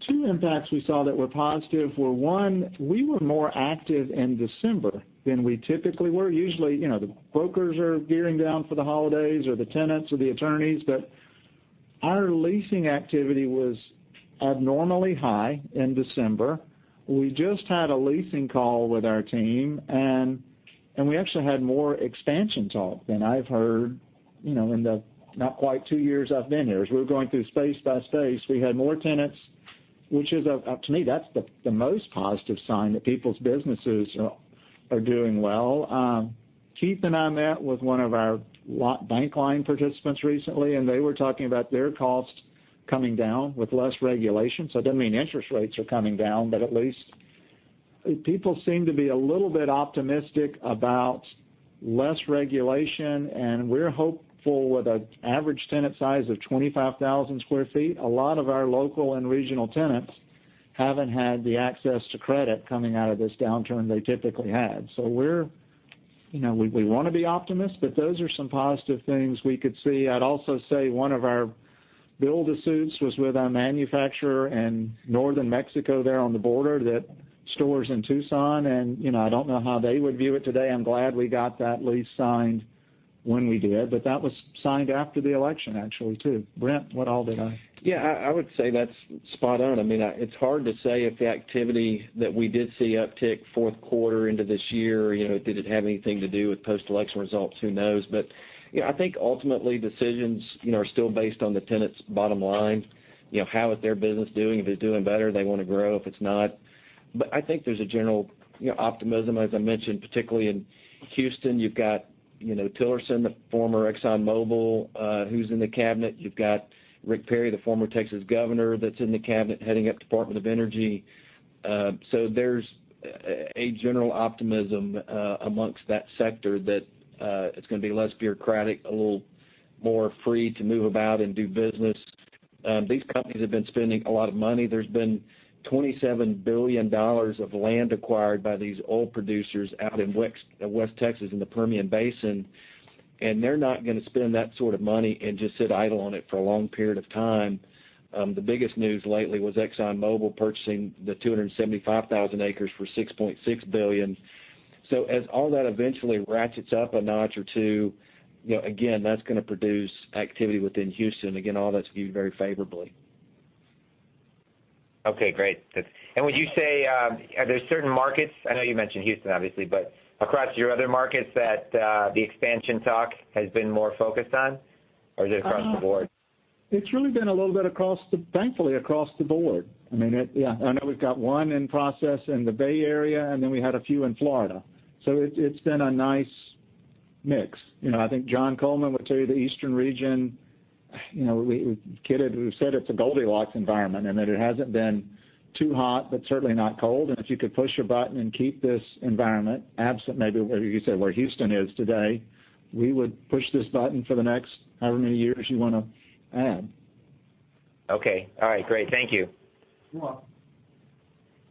two impacts we saw that were positive were, one, we were more active in December than we typically were. Usually, the brokers are gearing down for the holidays, or the tenants or the attorneys. Our leasing activity was abnormally high in December. We just had a leasing call with our team, and we actually had more expansion talk than I've heard in the not quite two years I've been here. As we were going through space by space, we had more tenants. Which to me, that's the most positive sign that people's businesses are doing well. Keith and I met with one of our bank line participants recently, and they were talking about their costs coming down with less regulation. That doesn't mean interest rates are coming down, but at least people seem to be a little bit optimistic about less regulation. We're hopeful with an average tenant size of 25,000 sq ft. A lot of our local and regional tenants haven't had the access to credit coming out of this downturn they typically had. We want to be optimists, but those are some positive things we could see. I'd also say one of our build-to-suits was with our manufacturer in northern Mexico, there on the border, that stores in Tucson. I don't know how they would view it today. I'm glad we got that lease signed when we did. That was signed after the election, actually, too. Brent, what all did I? Yeah, I would say that's spot on. It's hard to say if the activity that we did see uptick fourth quarter into this year, did it have anything to do with post-election results? Who knows? I think ultimately decisions are still based on the tenant's bottom line. How is their business doing? If it's doing better, they want to grow. I think there's a general optimism, as I mentioned, particularly in Houston. You've got Tillerson, the former ExxonMobil, who's in the cabinet. You've got Rick Perry, the former Texas governor that's in the cabinet heading up Department of Energy. There's a general optimism amongst that sector that it's going to be less bureaucratic, a little more free to move about and do business. These companies have been spending a lot of money. There's been $27 billion of land acquired by these oil producers out in West Texas in the Permian Basin, and they're not going to spend that sort of money and just sit idle on it for a long period of time. The biggest news lately was ExxonMobil purchasing the 275,000 acres for $6.6 billion. As all that eventually ratchets up a notch or two, again, that's going to produce activity within Houston. All that's viewed very favorably. Okay, great. Would you say, are there certain markets, I know you mentioned Houston, obviously, but across your other markets that the expansion talk has been more focused on, or is it across the board? It's really been a little bit, thankfully, across the board. I know we've got one in process in the Bay Area, then we had a few in Florida. It's been a nice mix. I think John Coleman would tell you the eastern region, we kid, we've said it's a Goldilocks environment, and that it hasn't been too hot, but certainly not cold. If you could push a button and keep this environment absent maybe where you said where Houston is today, we would push this button for the next however many years you want to add. Okay. All right, great. Thank you. You're welcome.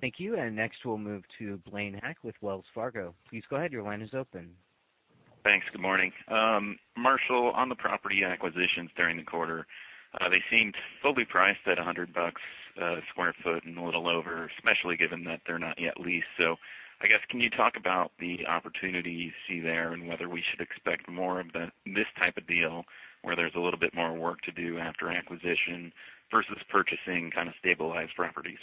Thank you. Next we'll move to Blaine Heck with Wells Fargo. Please go ahead. Your line is open. Thanks. Good morning. Marshall, on the property acquisitions during the quarter, they seemed fully priced at $100 a square foot and a little over, especially given that they're not yet leased. I guess, can you talk about the opportunity you see there and whether we should expect more of this type of deal where there's a little bit more work to do after acquisition versus purchasing kind of stabilized properties?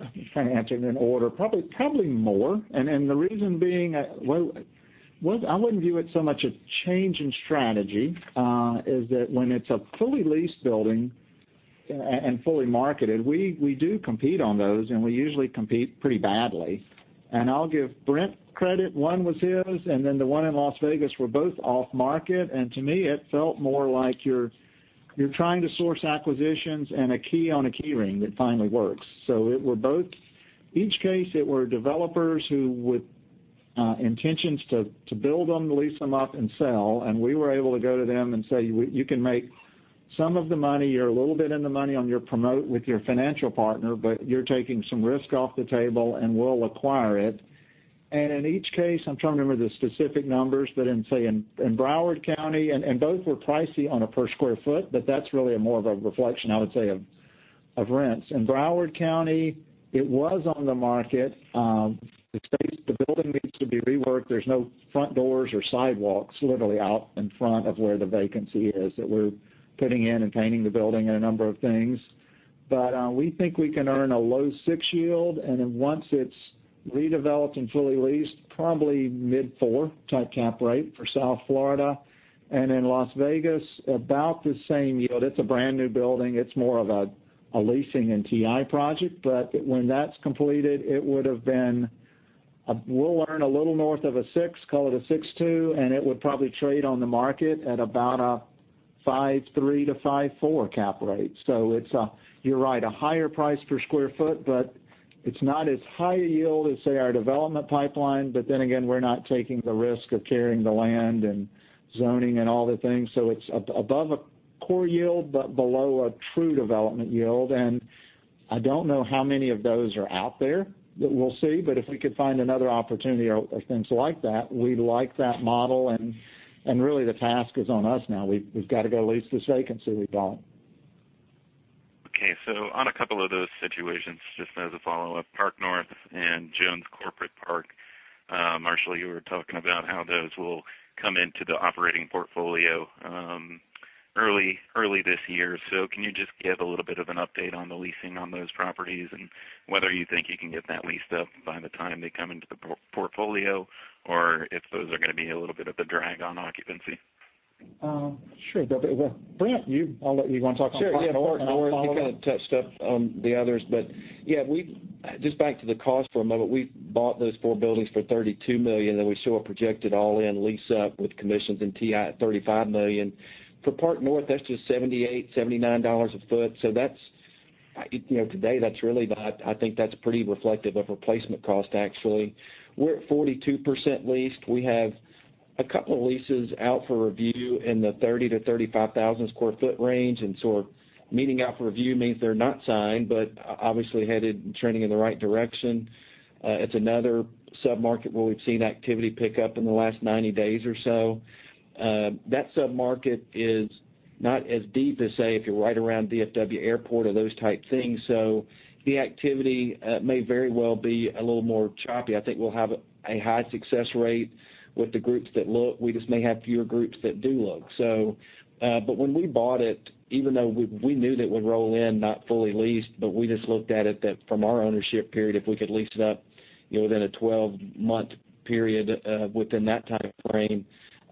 Sure. Let me try and answer them in order. Probably more, and the reason being, I wouldn't view it so much a change in strategy, is that when it's a fully leased building and fully marketed, we do compete on those, and we usually compete pretty badly. I'll give Brent credit. One was his, and then the one in Las Vegas were both off-market. To me, it felt more like you're trying to source acquisitions and a key on a key ring that finally works. It were both. Each case, it were developers who with intentions to build them, lease them up, and sell, and we were able to go to them and say, "You can make some of the money. You're a little bit in the money on your promote with your financial partner, but you're taking some risk off the table, and we'll acquire it." In each case, I'm trying to remember the specific numbers, but in, say, in Broward County, and both were pricey on a per square foot, but that's really a more of a reflection, I would say of rents. In Broward County, it was on the market. The building needs to be reworked. There's no front doors or sidewalks literally out in front of where the vacancy is, that we're putting in and painting the building and a number of things. We think we can earn a low six yield, then once it's redeveloped and fully leased, probably mid-4 type cap rate for South Florida. In Las Vegas, about the same yield. It's a brand-new building. It's more of a leasing and TI project. When that's completed, it would've been, we'll earn a little north of a six, call it a 6.2, and it would probably trade on the market at about a 5.3-5.4 cap rate. You're right, a higher price per square foot, but it's not as high a yield as, say, our development pipeline. Again, we're not taking the risk of carrying the land and zoning and all the things. It's above a core yield but below a true development yield. I don't know how many of those are out there that we'll see, but if we could find another opportunity or things like that, we like that model, and really the task is on us now. We've got to go lease this vacancy we've got. On a couple of those situations, just as a follow-up, Park North and Jones Corporate Park. Marshall, you were talking about how those will come into the operating portfolio early this year. Can you just give a little bit of an update on the leasing on those properties and whether you think you can get that leased up by the time they come into the portfolio, or if those are going to be a little bit of a drag on occupancy? Sure. Brent, you want to talk about Park North and follow up? Sure. Yeah, Park North, you kind of touched up on the others. Just back to the cost for a moment. We bought those four buildings for $32 million, and we show a projected all-in lease up with commissions and TI at $35 million. For Park North, that's just $78-$79 a foot. Today, I think that's pretty reflective of replacement cost, actually. We're at 42% leased. We have a couple of leases out for review in the 30,000-35,000 sq ft range. Meeting out for review means they're not signed, but obviously headed and trending in the right direction. It's another submarket where we've seen activity pick up in the last 90 days or so. That submarket is not as deep as, say, if you're right around DFW Airport or those type things. The activity may very well be a little more choppy. I think we'll have a high success rate with the groups that look. We just may have fewer groups that do look. When we bought it, even though we knew that it would roll in not fully leased, but we just looked at it that from our ownership period, if we could lease it up within a 12-month period, within that type of frame,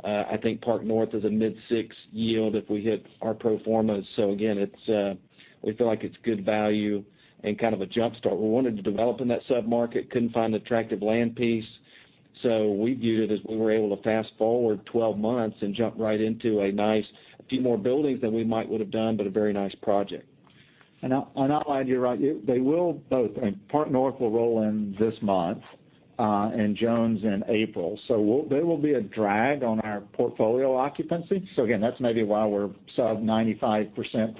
I think Park North is a mid-six yield if we hit our pro formas. Again, we feel like it's good value and kind of a jumpstart. We wanted to develop in that submarket, couldn't find an attractive land piece. We viewed it as we were able to fast-forward 12 months and jump right into a nice a few more buildings than we might would've done, but a very nice project. On outline, you're right. They will both, and Park North will roll in this month, and Jones in April. They will be a drag on our portfolio occupancy. Again, that's maybe why we're sub 95%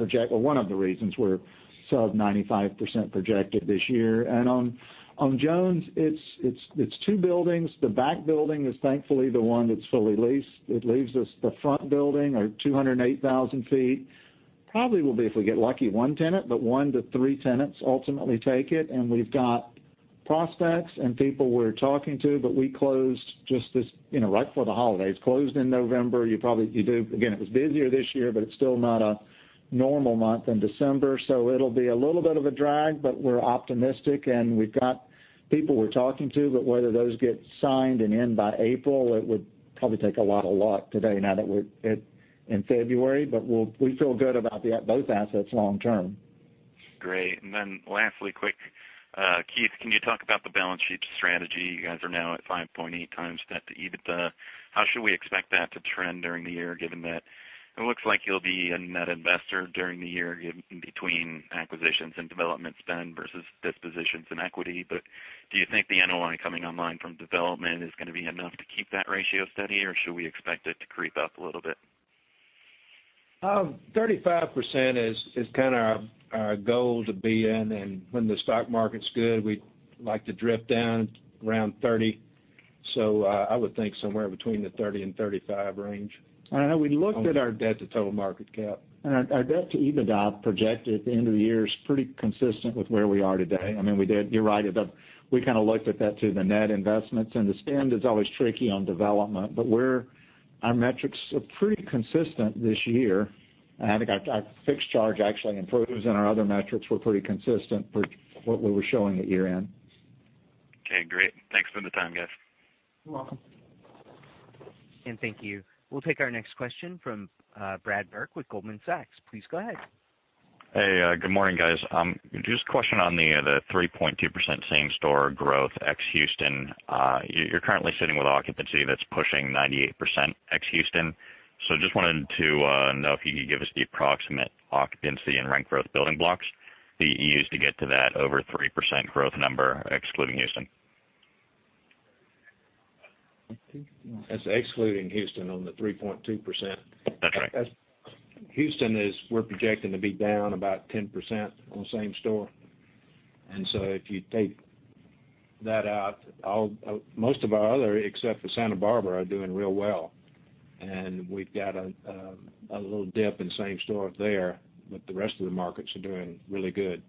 projected this year. On Jones, it's two buildings. The back building is thankfully the one that's fully leased. It leaves us the front building, our 208,000 feet, probably will be, if we get lucky, one tenant, but one to three tenants ultimately take it. We've got prospects and people we're talking to. We closed just this, right before the holidays, closed in November. Again, it was busier this year, but it's still not a normal month in December, so it'll be a little bit of a drag. We're optimistic, and we've got people we're talking to. Whether those get signed and in by April, it would probably take a lot of luck today now that we're in February. We feel good about both assets long term. Great. Lastly, quick, Keith, can you talk about the balance sheet strategy? You guys are now at 5.8 times debt to EBITDA. How should we expect that to trend during the year, given that it looks like you'll be a net investor during the year given between acquisitions and development spend versus dispositions in equity. Do you think the NOI coming online from development is going to be enough to keep that ratio steady, or should we expect it to creep up a little bit? 35% is kind of our goal to be in. When the stock market's good, we like to drift down around 30%. I would think somewhere between the 30% and 35% range. We looked at our debt to total market cap, and our debt to EBITDA projected at the end of the year is pretty consistent with where we are today. You're right, we kind of looked at that through the net investments, and the spend is always tricky on development. Our metrics are pretty consistent this year. I think our fixed charge actually improves, and our other metrics were pretty consistent for what we were showing at year-end. Okay, great. Thanks for the time, guys. You're welcome. Thank you. We'll take our next question from Brad Burke with Goldman Sachs. Please go ahead. Hey, good morning, guys. Just a question on the 3.2% same-store growth ex-Houston. You're currently sitting with occupancy that's pushing 98% ex-Houston. Just wanted to know if you could give us the approximate occupancy and rent growth building blocks that you used to get to that over 3% growth number excluding Houston. That's excluding Houston on the 3.2%. That's right. Houston is, we're projecting to be down about 10% on same store. If you take that out, most of our other, except for Santa Barbara, are doing real well. We've got a little dip in same store there, but the rest of the markets are doing really good.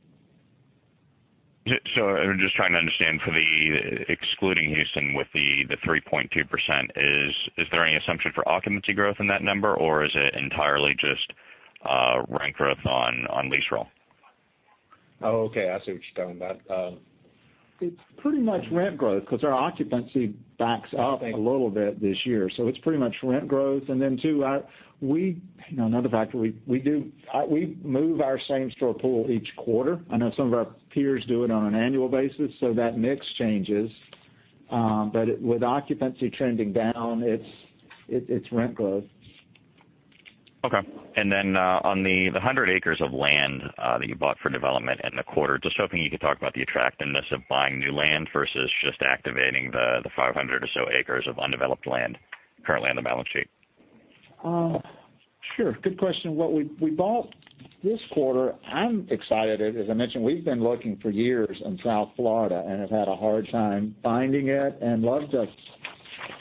I'm just trying to understand for the excluding Houston with the 3.2%, is there any assumption for occupancy growth in that number, or is it entirely just rent growth on lease roll? Okay. I see what you're talking about. It's pretty much rent growth because our occupancy backs up a little bit this year. It's pretty much rent growth. Too, another factor, we move our same store pool each quarter. I know some of our peers do it on an annual basis, that mix changes. With occupancy trending down, it's rent growth. Okay. On the 100 acres of land that you bought for development in the quarter, just hoping you could talk about the attractiveness of buying new land versus just activating the 500 or so acres of undeveloped land currently on the balance sheet. Sure. Good question. What we bought this quarter, I'm excited. As I mentioned, we've been looking for years in South Florida and have had a hard time finding it and love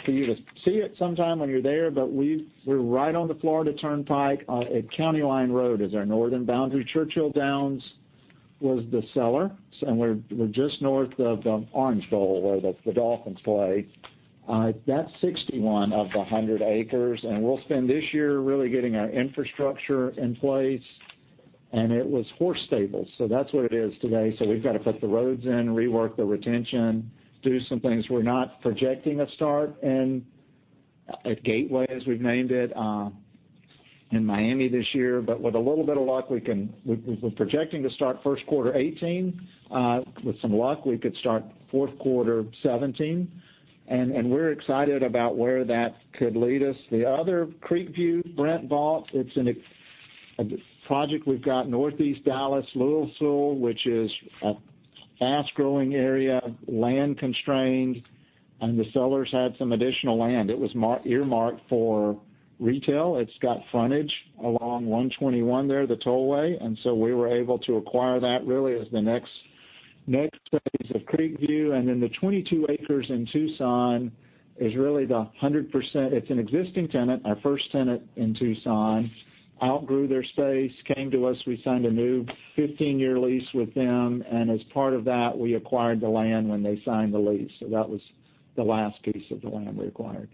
for you to see it sometime when you're there. We're right on the Florida Turnpike. County Line Road is our northern boundary. Churchill Downs was the seller. We're just north of Orange Bowl, where the Dolphins play. That's 61 of the 100 acres. We'll spend this year really getting our infrastructure in place. It was horse stables, so that's what it is today. We've got to put the roads in, rework the retention, do some things. We're not projecting a start at Gateway, as we've named it, in Miami this year. With a little bit of luck, we're projecting to start first quarter 2018. With some luck, we could start fourth quarter 2017. We're excited about where that could lead us. The other, Creekview, Brent bought. It's a project we've got Northeast Dallas, Little Elm, which is a fast-growing area, land-constrained. The sellers had some additional land. It was earmarked for retail. It's got frontage along 121 there, the tollway. We were able to acquire that really as the next phase of Creekview. The 22 acres in Tucson is really the 100%. It's an existing tenant. Our first tenant in Tucson outgrew their space, came to us. We signed a new 15-year lease with them. As part of that, we acquired the land when they signed the lease. That was the last piece of the land we acquired.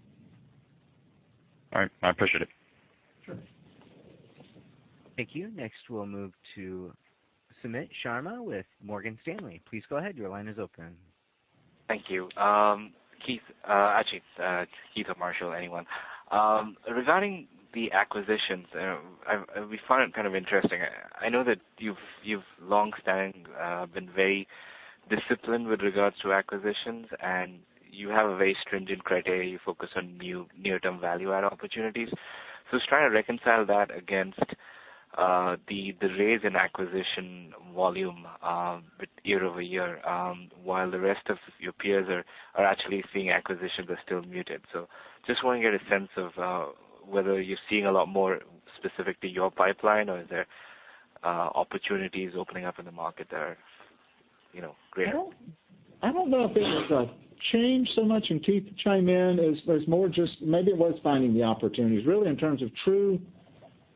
All right, I appreciate it. Sure. Thank you. Next, we'll move to Sumit Sharma with Morgan Stanley. Please go ahead. Your line is open. Thank you. Keith or Marshall, anyone. Regarding the acquisitions, we find it kind of interesting. I know that you've longstanding been very Discipline with regards to acquisitions, and you have a very stringent criteria. You focus on near-term value add opportunities. Just trying to reconcile that against the raise in acquisition volume year-over-year, while the rest of your peers are actually seeing acquisitions are still muted. Just want to get a sense of whether you're seeing a lot more specific to your pipeline, or is there opportunities opening up in the market that are greater? I don't know if it was a change so much, and Keith chime in, as was more just maybe it was finding the opportunities really in terms of true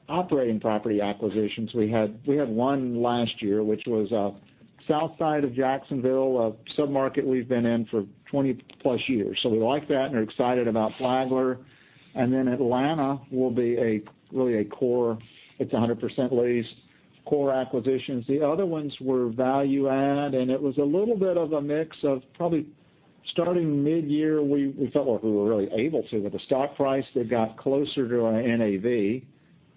operating property acquisitions. We had one last year, which was south side of Jacksonville, a sub-market we've been in for 20-plus years. We like that and are excited about Flagler. Atlanta will be really a core. It's 100% leased core acquisitions. The other ones were value add, and it was a little bit of a mix of probably starting mid-year, we felt like we were really able to, with the stock price that got closer to our NAV,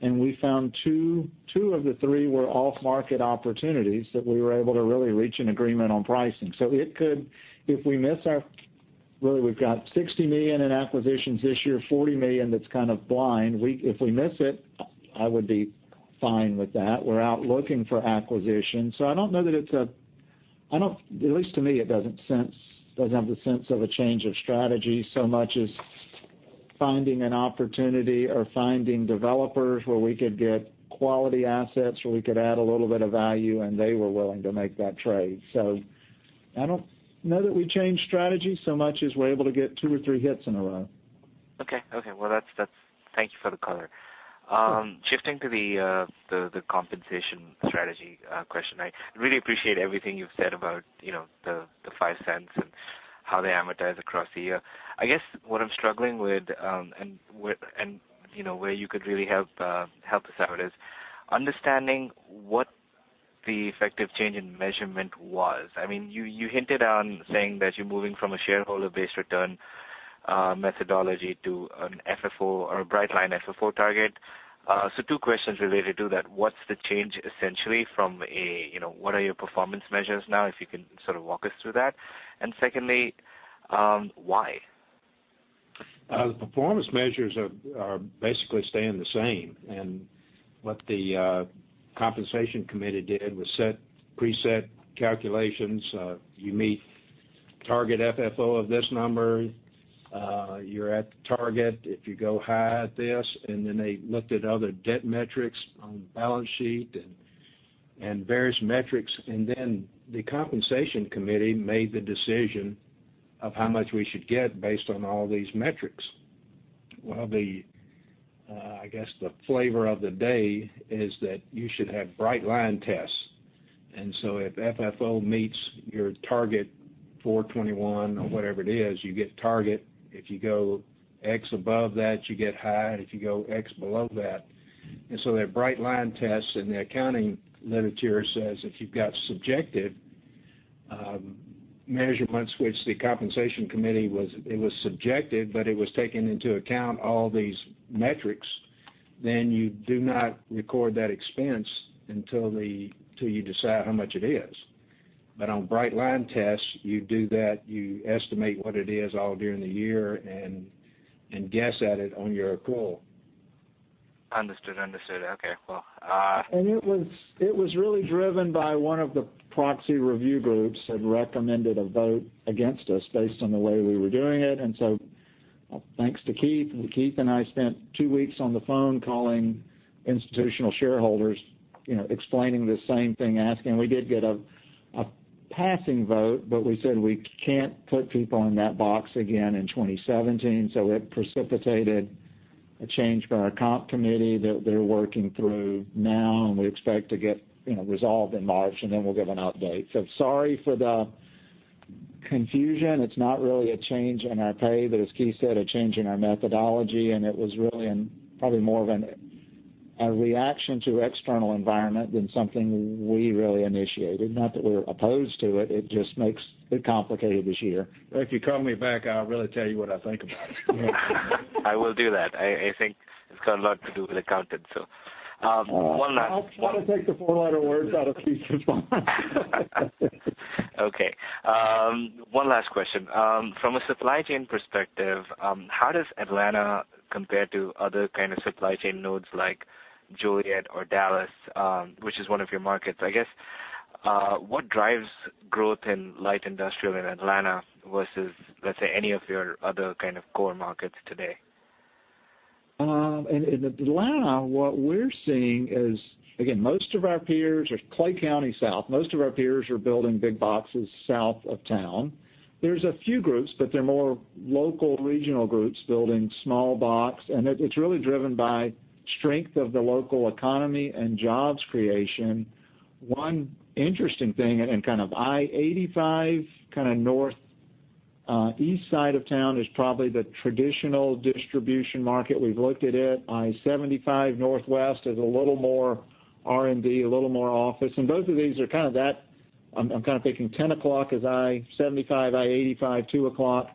and we found two of the three were off-market opportunities that we were able to really reach an agreement on pricing. If we miss our Really, we've got $60 million in acquisitions this year, $40 million that's kind of blind. If we miss it, I would be fine with that. We're out looking for acquisitions. At least to me, it doesn't have the sense of a change of strategy so much as finding an opportunity or finding developers where we could get quality assets, where we could add a little bit of value, and they were willing to make that trade. I don't know that we changed strategy so much as we're able to get two or three hits in a row. Thank you for the color. Shifting to the compensation strategy question. I really appreciate everything you've said about the $0.05 and how they amortize across the year. I guess what I am struggling with, and where you could really help us out, is understanding what the effective change in measurement was. You hinted on saying that you are moving from a shareholder-based return methodology to a bright line FFO target. Two questions related to that. What is the change essentially from a, what are your performance measures now, if you can sort of walk us through that? Secondly, why? The performance measures are basically staying the same. What the Compensation Committee did was set preset calculations. You meet target FFO of this number. You are at the target if you go high at this. They looked at other debt metrics on the balance sheet and various metrics. The Compensation Committee made the decision of how much we should get based on all these metrics. Well, I guess the flavor of the day is that you should have bright line tests. If FFO meets your target 421 or whatever it is, you get target. If you go X above that, you get high, if you go X below that. That bright line test in the accounting literature says if you have got subjective measurements, which the Compensation Committee was, it was subjective, but it was taking into account all these metrics, then you do not record that expense until you decide how much it is. On bright line tests, you do that, you estimate what it is all during the year, you guess at it on your call. Understood. Okay. It was really driven by one of the proxy review groups had recommended a vote against us based on the way we were doing it. Thanks to Keith and I spent two weeks on the phone calling institutional shareholders, explaining the same thing, asking. We did get a passing vote, we said we can't put people in that box again in 2017. It precipitated a change by our Compensation Committee that they're working through now, we expect to get resolved in March, then we'll give an update. Sorry for the confusion. It's not really a change in our pay, as Keith said, a change in our methodology, it was really probably more of a reaction to external environment than something we really initiated. Not that we're opposed to it. It just makes it complicated this year. If you call me back, I'll really tell you what I think about it. I will do that. I think it's got a lot to do with accounting. I'll try to take the four-letter words out of Keith's response. Okay. One last question. From a supply chain perspective, how does Atlanta compare to other kind of supply chain nodes like Joliet or Dallas, which is one of your markets? I guess, what drives growth in light industrial in Atlanta versus, let's say, any of your other kind of core markets today? In Atlanta, what we're seeing is, again, most of our peers are Clayton County South. Most of our peers are building big boxes south of town. There's a few groups, but they're more local regional groups building small box. It's really driven by strength of the local economy and jobs creation. One interesting thing, kind of I-85 kind of northeast side of town is probably the traditional distribution market. We've looked at it. I-75 Northwest is a little more R&D, a little more office. Both of these are kind of that I'm kind of thinking 10 o'clock is I-75, I-85, 2:00 o'clock,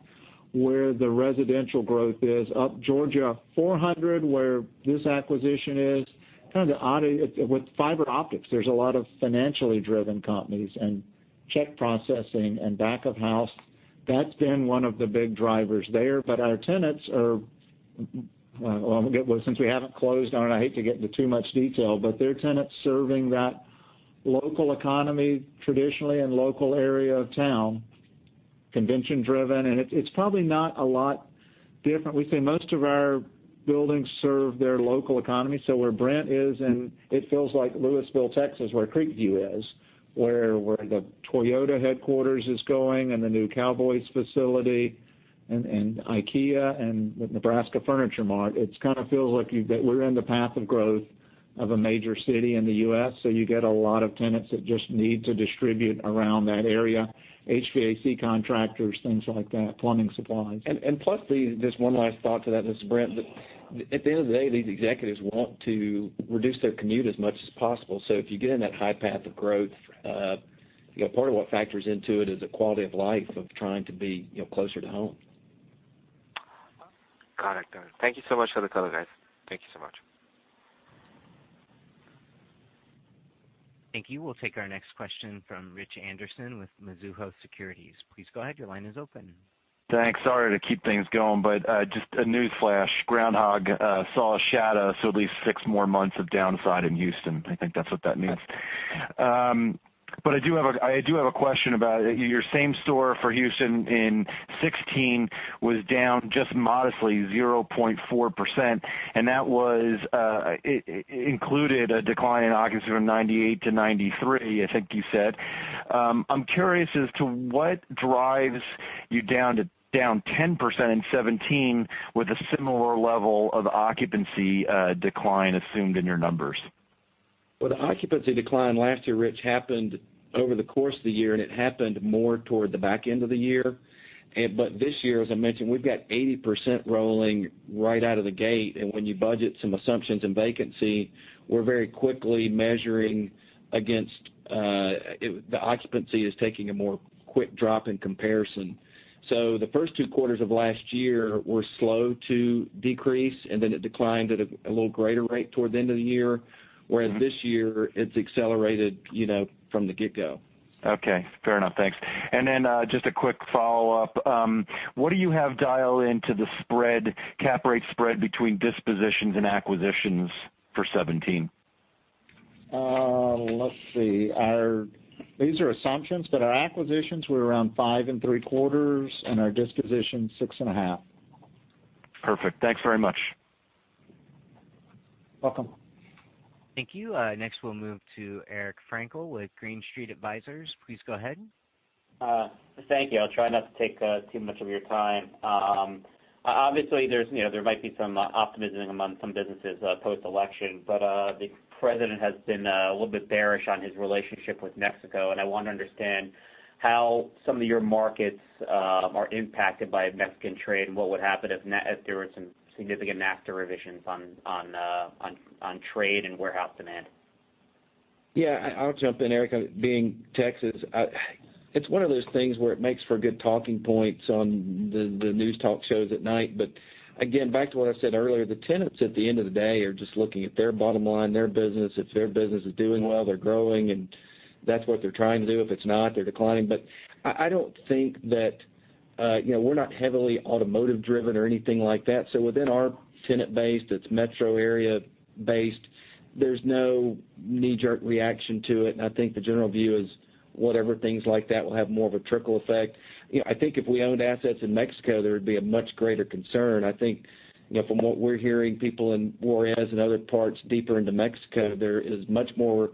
where the residential growth is. Up Georgia 400, where this acquisition is, kind of the oddity with fiber optics. There's a lot of financially driven companies and check processing and back of house That's been one of the big drivers there. Our tenants are Well, since we haven't closed on it, I hate to get into too much detail, but they're tenants serving that local economy traditionally in local area of town, convention-driven, and it's probably not a lot different. We say most of our buildings serve their local economy. Where Brent is, and it feels like Lewisville, Texas, where Creekview is, where the Toyota headquarters is going, and the new Cowboys facility, and IKEA and the Nebraska Furniture Mart. It kind of feels like we're in the path of growth of a major city in the U.S., so you get a lot of tenants that just need to distribute around that area, HVAC contractors, things like that, plumbing supplies. Plus Just one last thought to that, this is Brent. At the end of the day, these executives want to reduce their commute as much as possible. If you get in that high path of growth, part of what factors into it is the quality of life of trying to be closer to home. Got it. Thank you so much for the color, guys. Thank you so much. Thank you. We'll take our next question from Rich Anderson with Mizuho Securities. Please go ahead. Your line is open. Thanks. Sorry to keep things going, just a newsflash. Groundhog saw a shadow, at least six more months of downside in Houston. I think that's what that means. I do have a question about your same store for Houston in 2016 was down just modestly 0.4%, and that included a decline in occupancy from 98 to 93, I think you said. I'm curious as to what drives you down 10% in 2017 with a similar level of occupancy decline assumed in your numbers. The occupancy decline last year, Rich, happened over the course of the year, and it happened more toward the back end of the year. This year, as I mentioned, we've got 80% rolling right out of the gate. When you budget some assumptions in vacancy, the occupancy is taking a more quick drop in comparison. The first two quarters of last year were slow to decrease, and then it declined at a little greater rate toward the end of the year. Whereas this year, it's accelerated from the get-go. Okay. Fair enough. Thanks. Then, just a quick follow-up. What do you have dialed into the spread, cap rate spread between dispositions and acquisitions for 2017? Let's see. These are assumptions, but our acquisitions were around five and three quarters, and our dispositions six and a half. Perfect. Thanks very much. Welcome. Thank you. Next, we'll move to Eric Frankel with Green Street Advisors. Please go ahead. Thank you. I'll try not to take too much of your time. Obviously, there might be some optimism among some businesses post-election, but the president has been a little bit bearish on his relationship with Mexico, and I want to understand how some of your markets are impacted by Mexican trade and what would happen if there were some significant NAFTA revisions on trade and warehouse demand. Yeah, I'll jump in, Eric. Being Texas, it's one of those things where it makes for good talking points on the news talk shows at night. Again, back to what I said earlier, the tenants at the end of the day are just looking at their bottom line, their business. If their business is doing well, they're growing, and that's what they're trying to do. If it's not, they're declining. I don't think We're not heavily automotive driven or anything like that. Within our tenant base, it's metro area based. There's no knee-jerk reaction to it. I think the general view is whatever things like that will have more of a trickle effect. I think if we owned assets in Mexico, there would be a much greater concern. I think from what we're hearing, people in Juarez and other parts deeper into Mexico, there is much more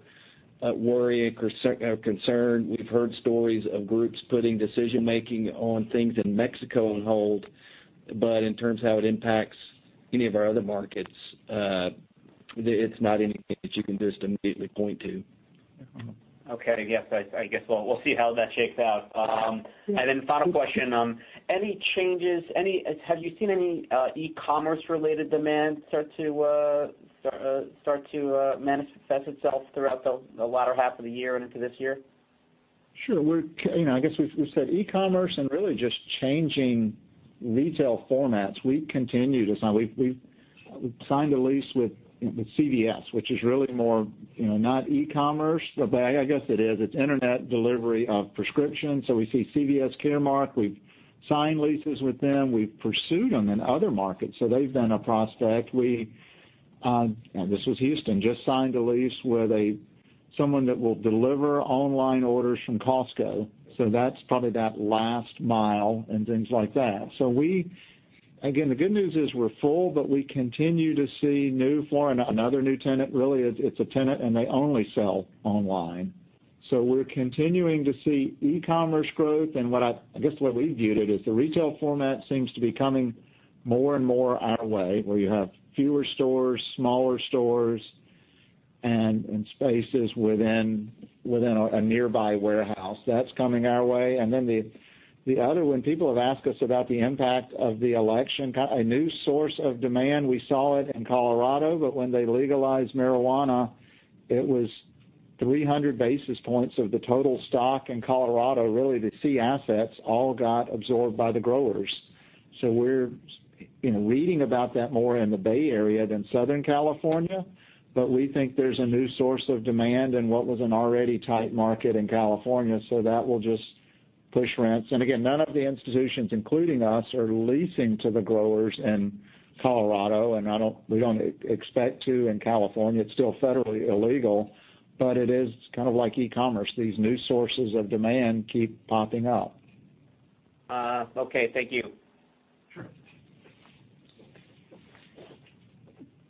worry and concern. We've heard stories of groups putting decision-making on things in Mexico on hold. In terms of how it impacts any of our other markets, it's not anything that you can just immediately point to. Okay. Yes, I guess we'll see how that shakes out. Then final question. Any changes, have you seen any e-commerce related demand start to manifest itself throughout the latter half of the year and into this year? Sure. I guess we've said e-commerce and really just changing retail formats. We've signed a lease with CVS, which is really more not e-commerce, but I guess it is. It's internet delivery of prescriptions. We see CVS Caremark. We've signed leases with them. We've pursued them in other markets. They've been a prospect. We, and this was Houston, just signed a lease where someone that will deliver online orders from Costco. That's probably that last mile and things like that. Again, the good news is we're full, but we continue to see new. Another new tenant, really, it's a tenant, and they only sell online. We're continuing to see e-commerce growth. I guess where we viewed it is the retail format seems to be coming more and more our way, where you have fewer stores, smaller stores, and spaces within a nearby warehouse. That's coming our way. The other one, people have asked us about the impact of the election, a new source of demand. We saw it in Colorado, but when they legalized marijuana, it was 300 basis points of the total stock in Colorado, really, the C assets all got absorbed by the growers. We're reading about that more in the Bay Area than Southern California. We think there's a new source of demand in what was an already tight market in California, that will just push rents. Again, none of the institutions, including us, are leasing to the growers in Colorado, and we don't expect to in California. It's still federally illegal, but it is kind of like e-commerce. These new sources of demand keep popping up. Okay. Thank you. Sure.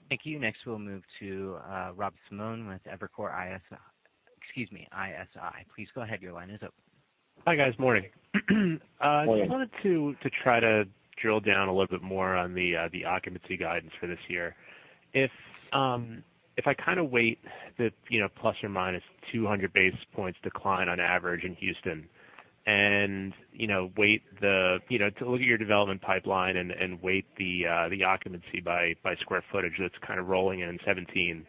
Thank you. Next, we'll move to Rob Simone with Evercore ISI. Please go ahead. Your line is open. Hi, guys. Morning. Morning. I wanted to try to drill down a little bit more on the occupancy guidance for this year. If I kind of weight the ±200 basis points decline on average in Houston and look at your development pipeline and weight the occupancy by square footage that's kind of rolling in 2017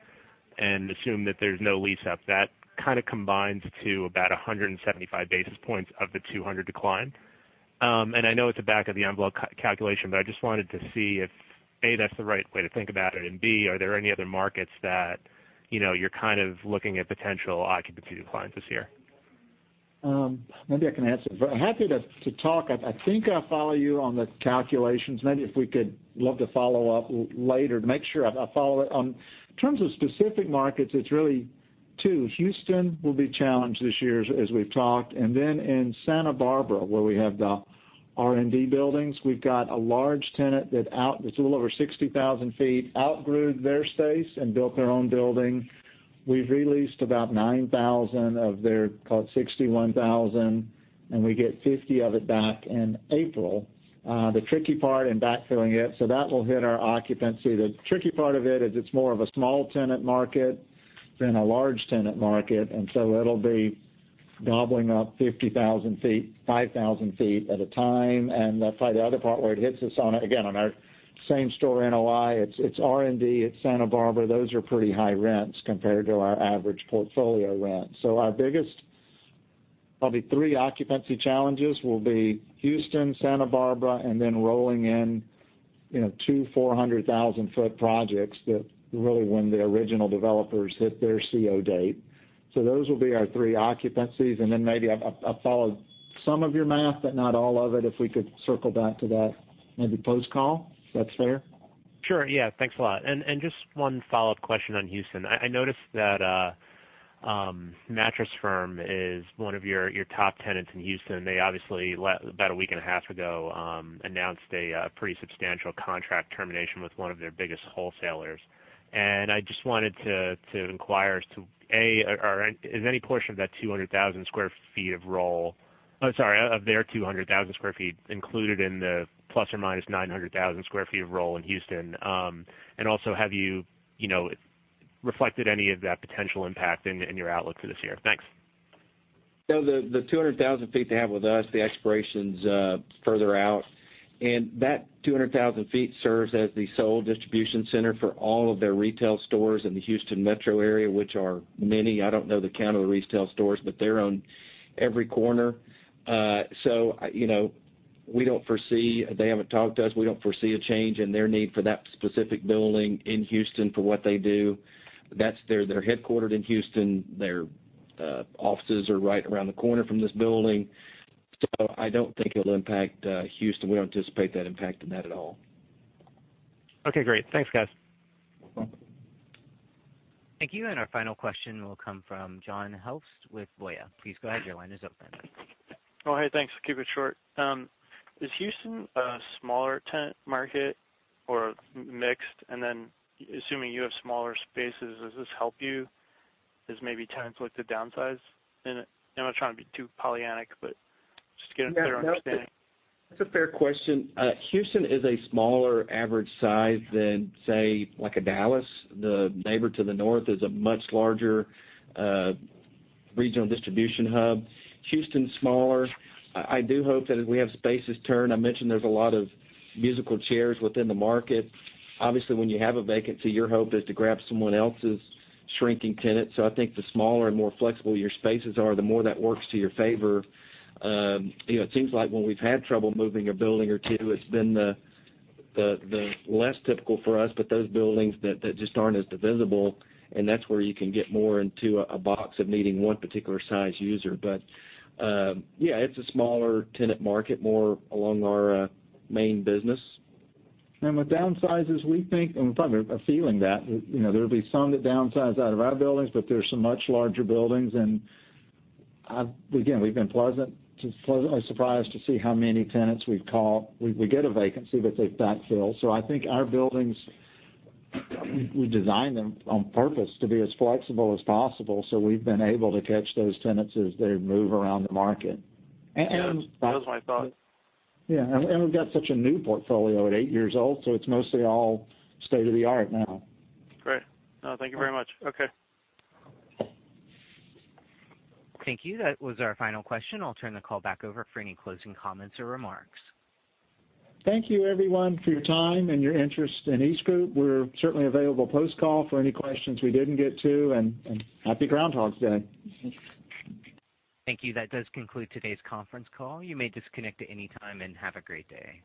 and assume that there's no lease-up, that kind of combines to about 175 basis points of the 200 decline. I know it's a back of the envelope calculation, but I just wanted to see if, A, that's the right way to think about it. B, are there any other markets that you're kind of looking at potential occupancy declines this year? Maybe I can answer. Happy to talk. I think I follow you on the calculations. Maybe if we could look to follow up later to make sure I follow it. In terms of specific markets, it's really two. Houston will be challenged this year, as we've talked, and then in Santa Barbara, where we have the R&D buildings. We've got a large tenant that's a little over 60,000 sq ft, outgrew their space and built their own building. We've re-leased about 9,000 of their, call it 61,000, and we get 50 of it back in April. The tricky part in backfilling it, that will hit our occupancy. The tricky part of it is it's more of a small tenant market than a large tenant market, it'll be gobbling up 50,000 sq ft, 5,000 sq ft at a time. That's probably the other part where it hits us on, again, on our same story NOI, it's R&D at Santa Barbara. Those are pretty high rents compared to our average portfolio rent. Our biggest, probably three occupancy challenges will be Houston, Santa Barbara, and then rolling in two 400,000 sq ft projects that really when the original developers hit their CO date. Those will be our three occupancies, and then maybe I followed some of your math, but not all of it. If we could circle back to that maybe post-call, if that's fair. Sure. Yeah. Thanks a lot. Just one follow-up question on Houston. I noticed that Mattress Firm is one of your top tenants in Houston. They obviously, about a week and a half ago, announced a pretty substantial contract termination with one of their biggest wholesalers. I just wanted to inquire as to, A, is any portion of their 200,000 sq ft included in the ±900,000 sq ft of roll in Houston? Also, have you reflected any of that potential impact in your outlook for this year? Thanks. No, the 200,000 sq ft they have with us, the expiration's further out. That 200,000 sq ft serves as the sole distribution center for all of their retail stores in the Houston Metro area, which are many. I don't know the count of the retail stores, they're on every corner. They haven't talked to us. We don't foresee a change in their need for that specific building in Houston for what they do. They're headquartered in Houston. Their offices are right around the corner from this building. I don't think it'll impact Houston. We don't anticipate that impacting that at all. Okay, great. Thanks, guys. No problem. Thank you. Our final question will come from John House with Voya. Please go ahead. Your line is open. Oh, hey, thanks. I'll keep it short. Is Houston a smaller tenant market or mixed? Assuming you have smaller spaces, does this help you as maybe tenants look to downsize? I'm not trying to be too Pollyanna-ish, but just to get a clear understanding. That's a fair question. Houston is a smaller average size than, say, like a Dallas. The neighbor to the north is a much larger regional distribution hub. Houston's smaller. I do hope that as we have spaces turn, I mentioned there's a lot of musical chairs within the market. Obviously, when you have a vacancy, your hope is to grab someone else's shrinking tenant. I think the smaller and more flexible your spaces are, the more that works to your favor. It seems like when we've had trouble moving a building or two, it's been less typical for us, but those buildings that just aren't as divisible, and that's where you can get more into a box of meeting one particular size user. Yeah, it's a smaller tenant market, more along our main business. With downsizes, we think, and in fact, we're feeling that. There'll be some that downsize out of our buildings, but there's some much larger buildings, and again, we've been pleasantly surprised to see how many tenants we've called. We get a vacancy, but they've backfilled. I think our buildings, we designed them on purpose to be as flexible as possible, so we've been able to catch those tenants as they move around the market. Yeah, that was my thought. Yeah. We've got such a new portfolio at eight years old, so it's mostly all state-of-the-art now. Great. Thank you very much. Okay. Thank you. That was our final question. I'll turn the call back over for any closing comments or remarks. Thank you, everyone, for your time and your interest in EastGroup. We're certainly available post-call for any questions we didn't get to, and happy Groundhog Day. Thank you. That does conclude today's conference call. You may disconnect at any time, and have a great day.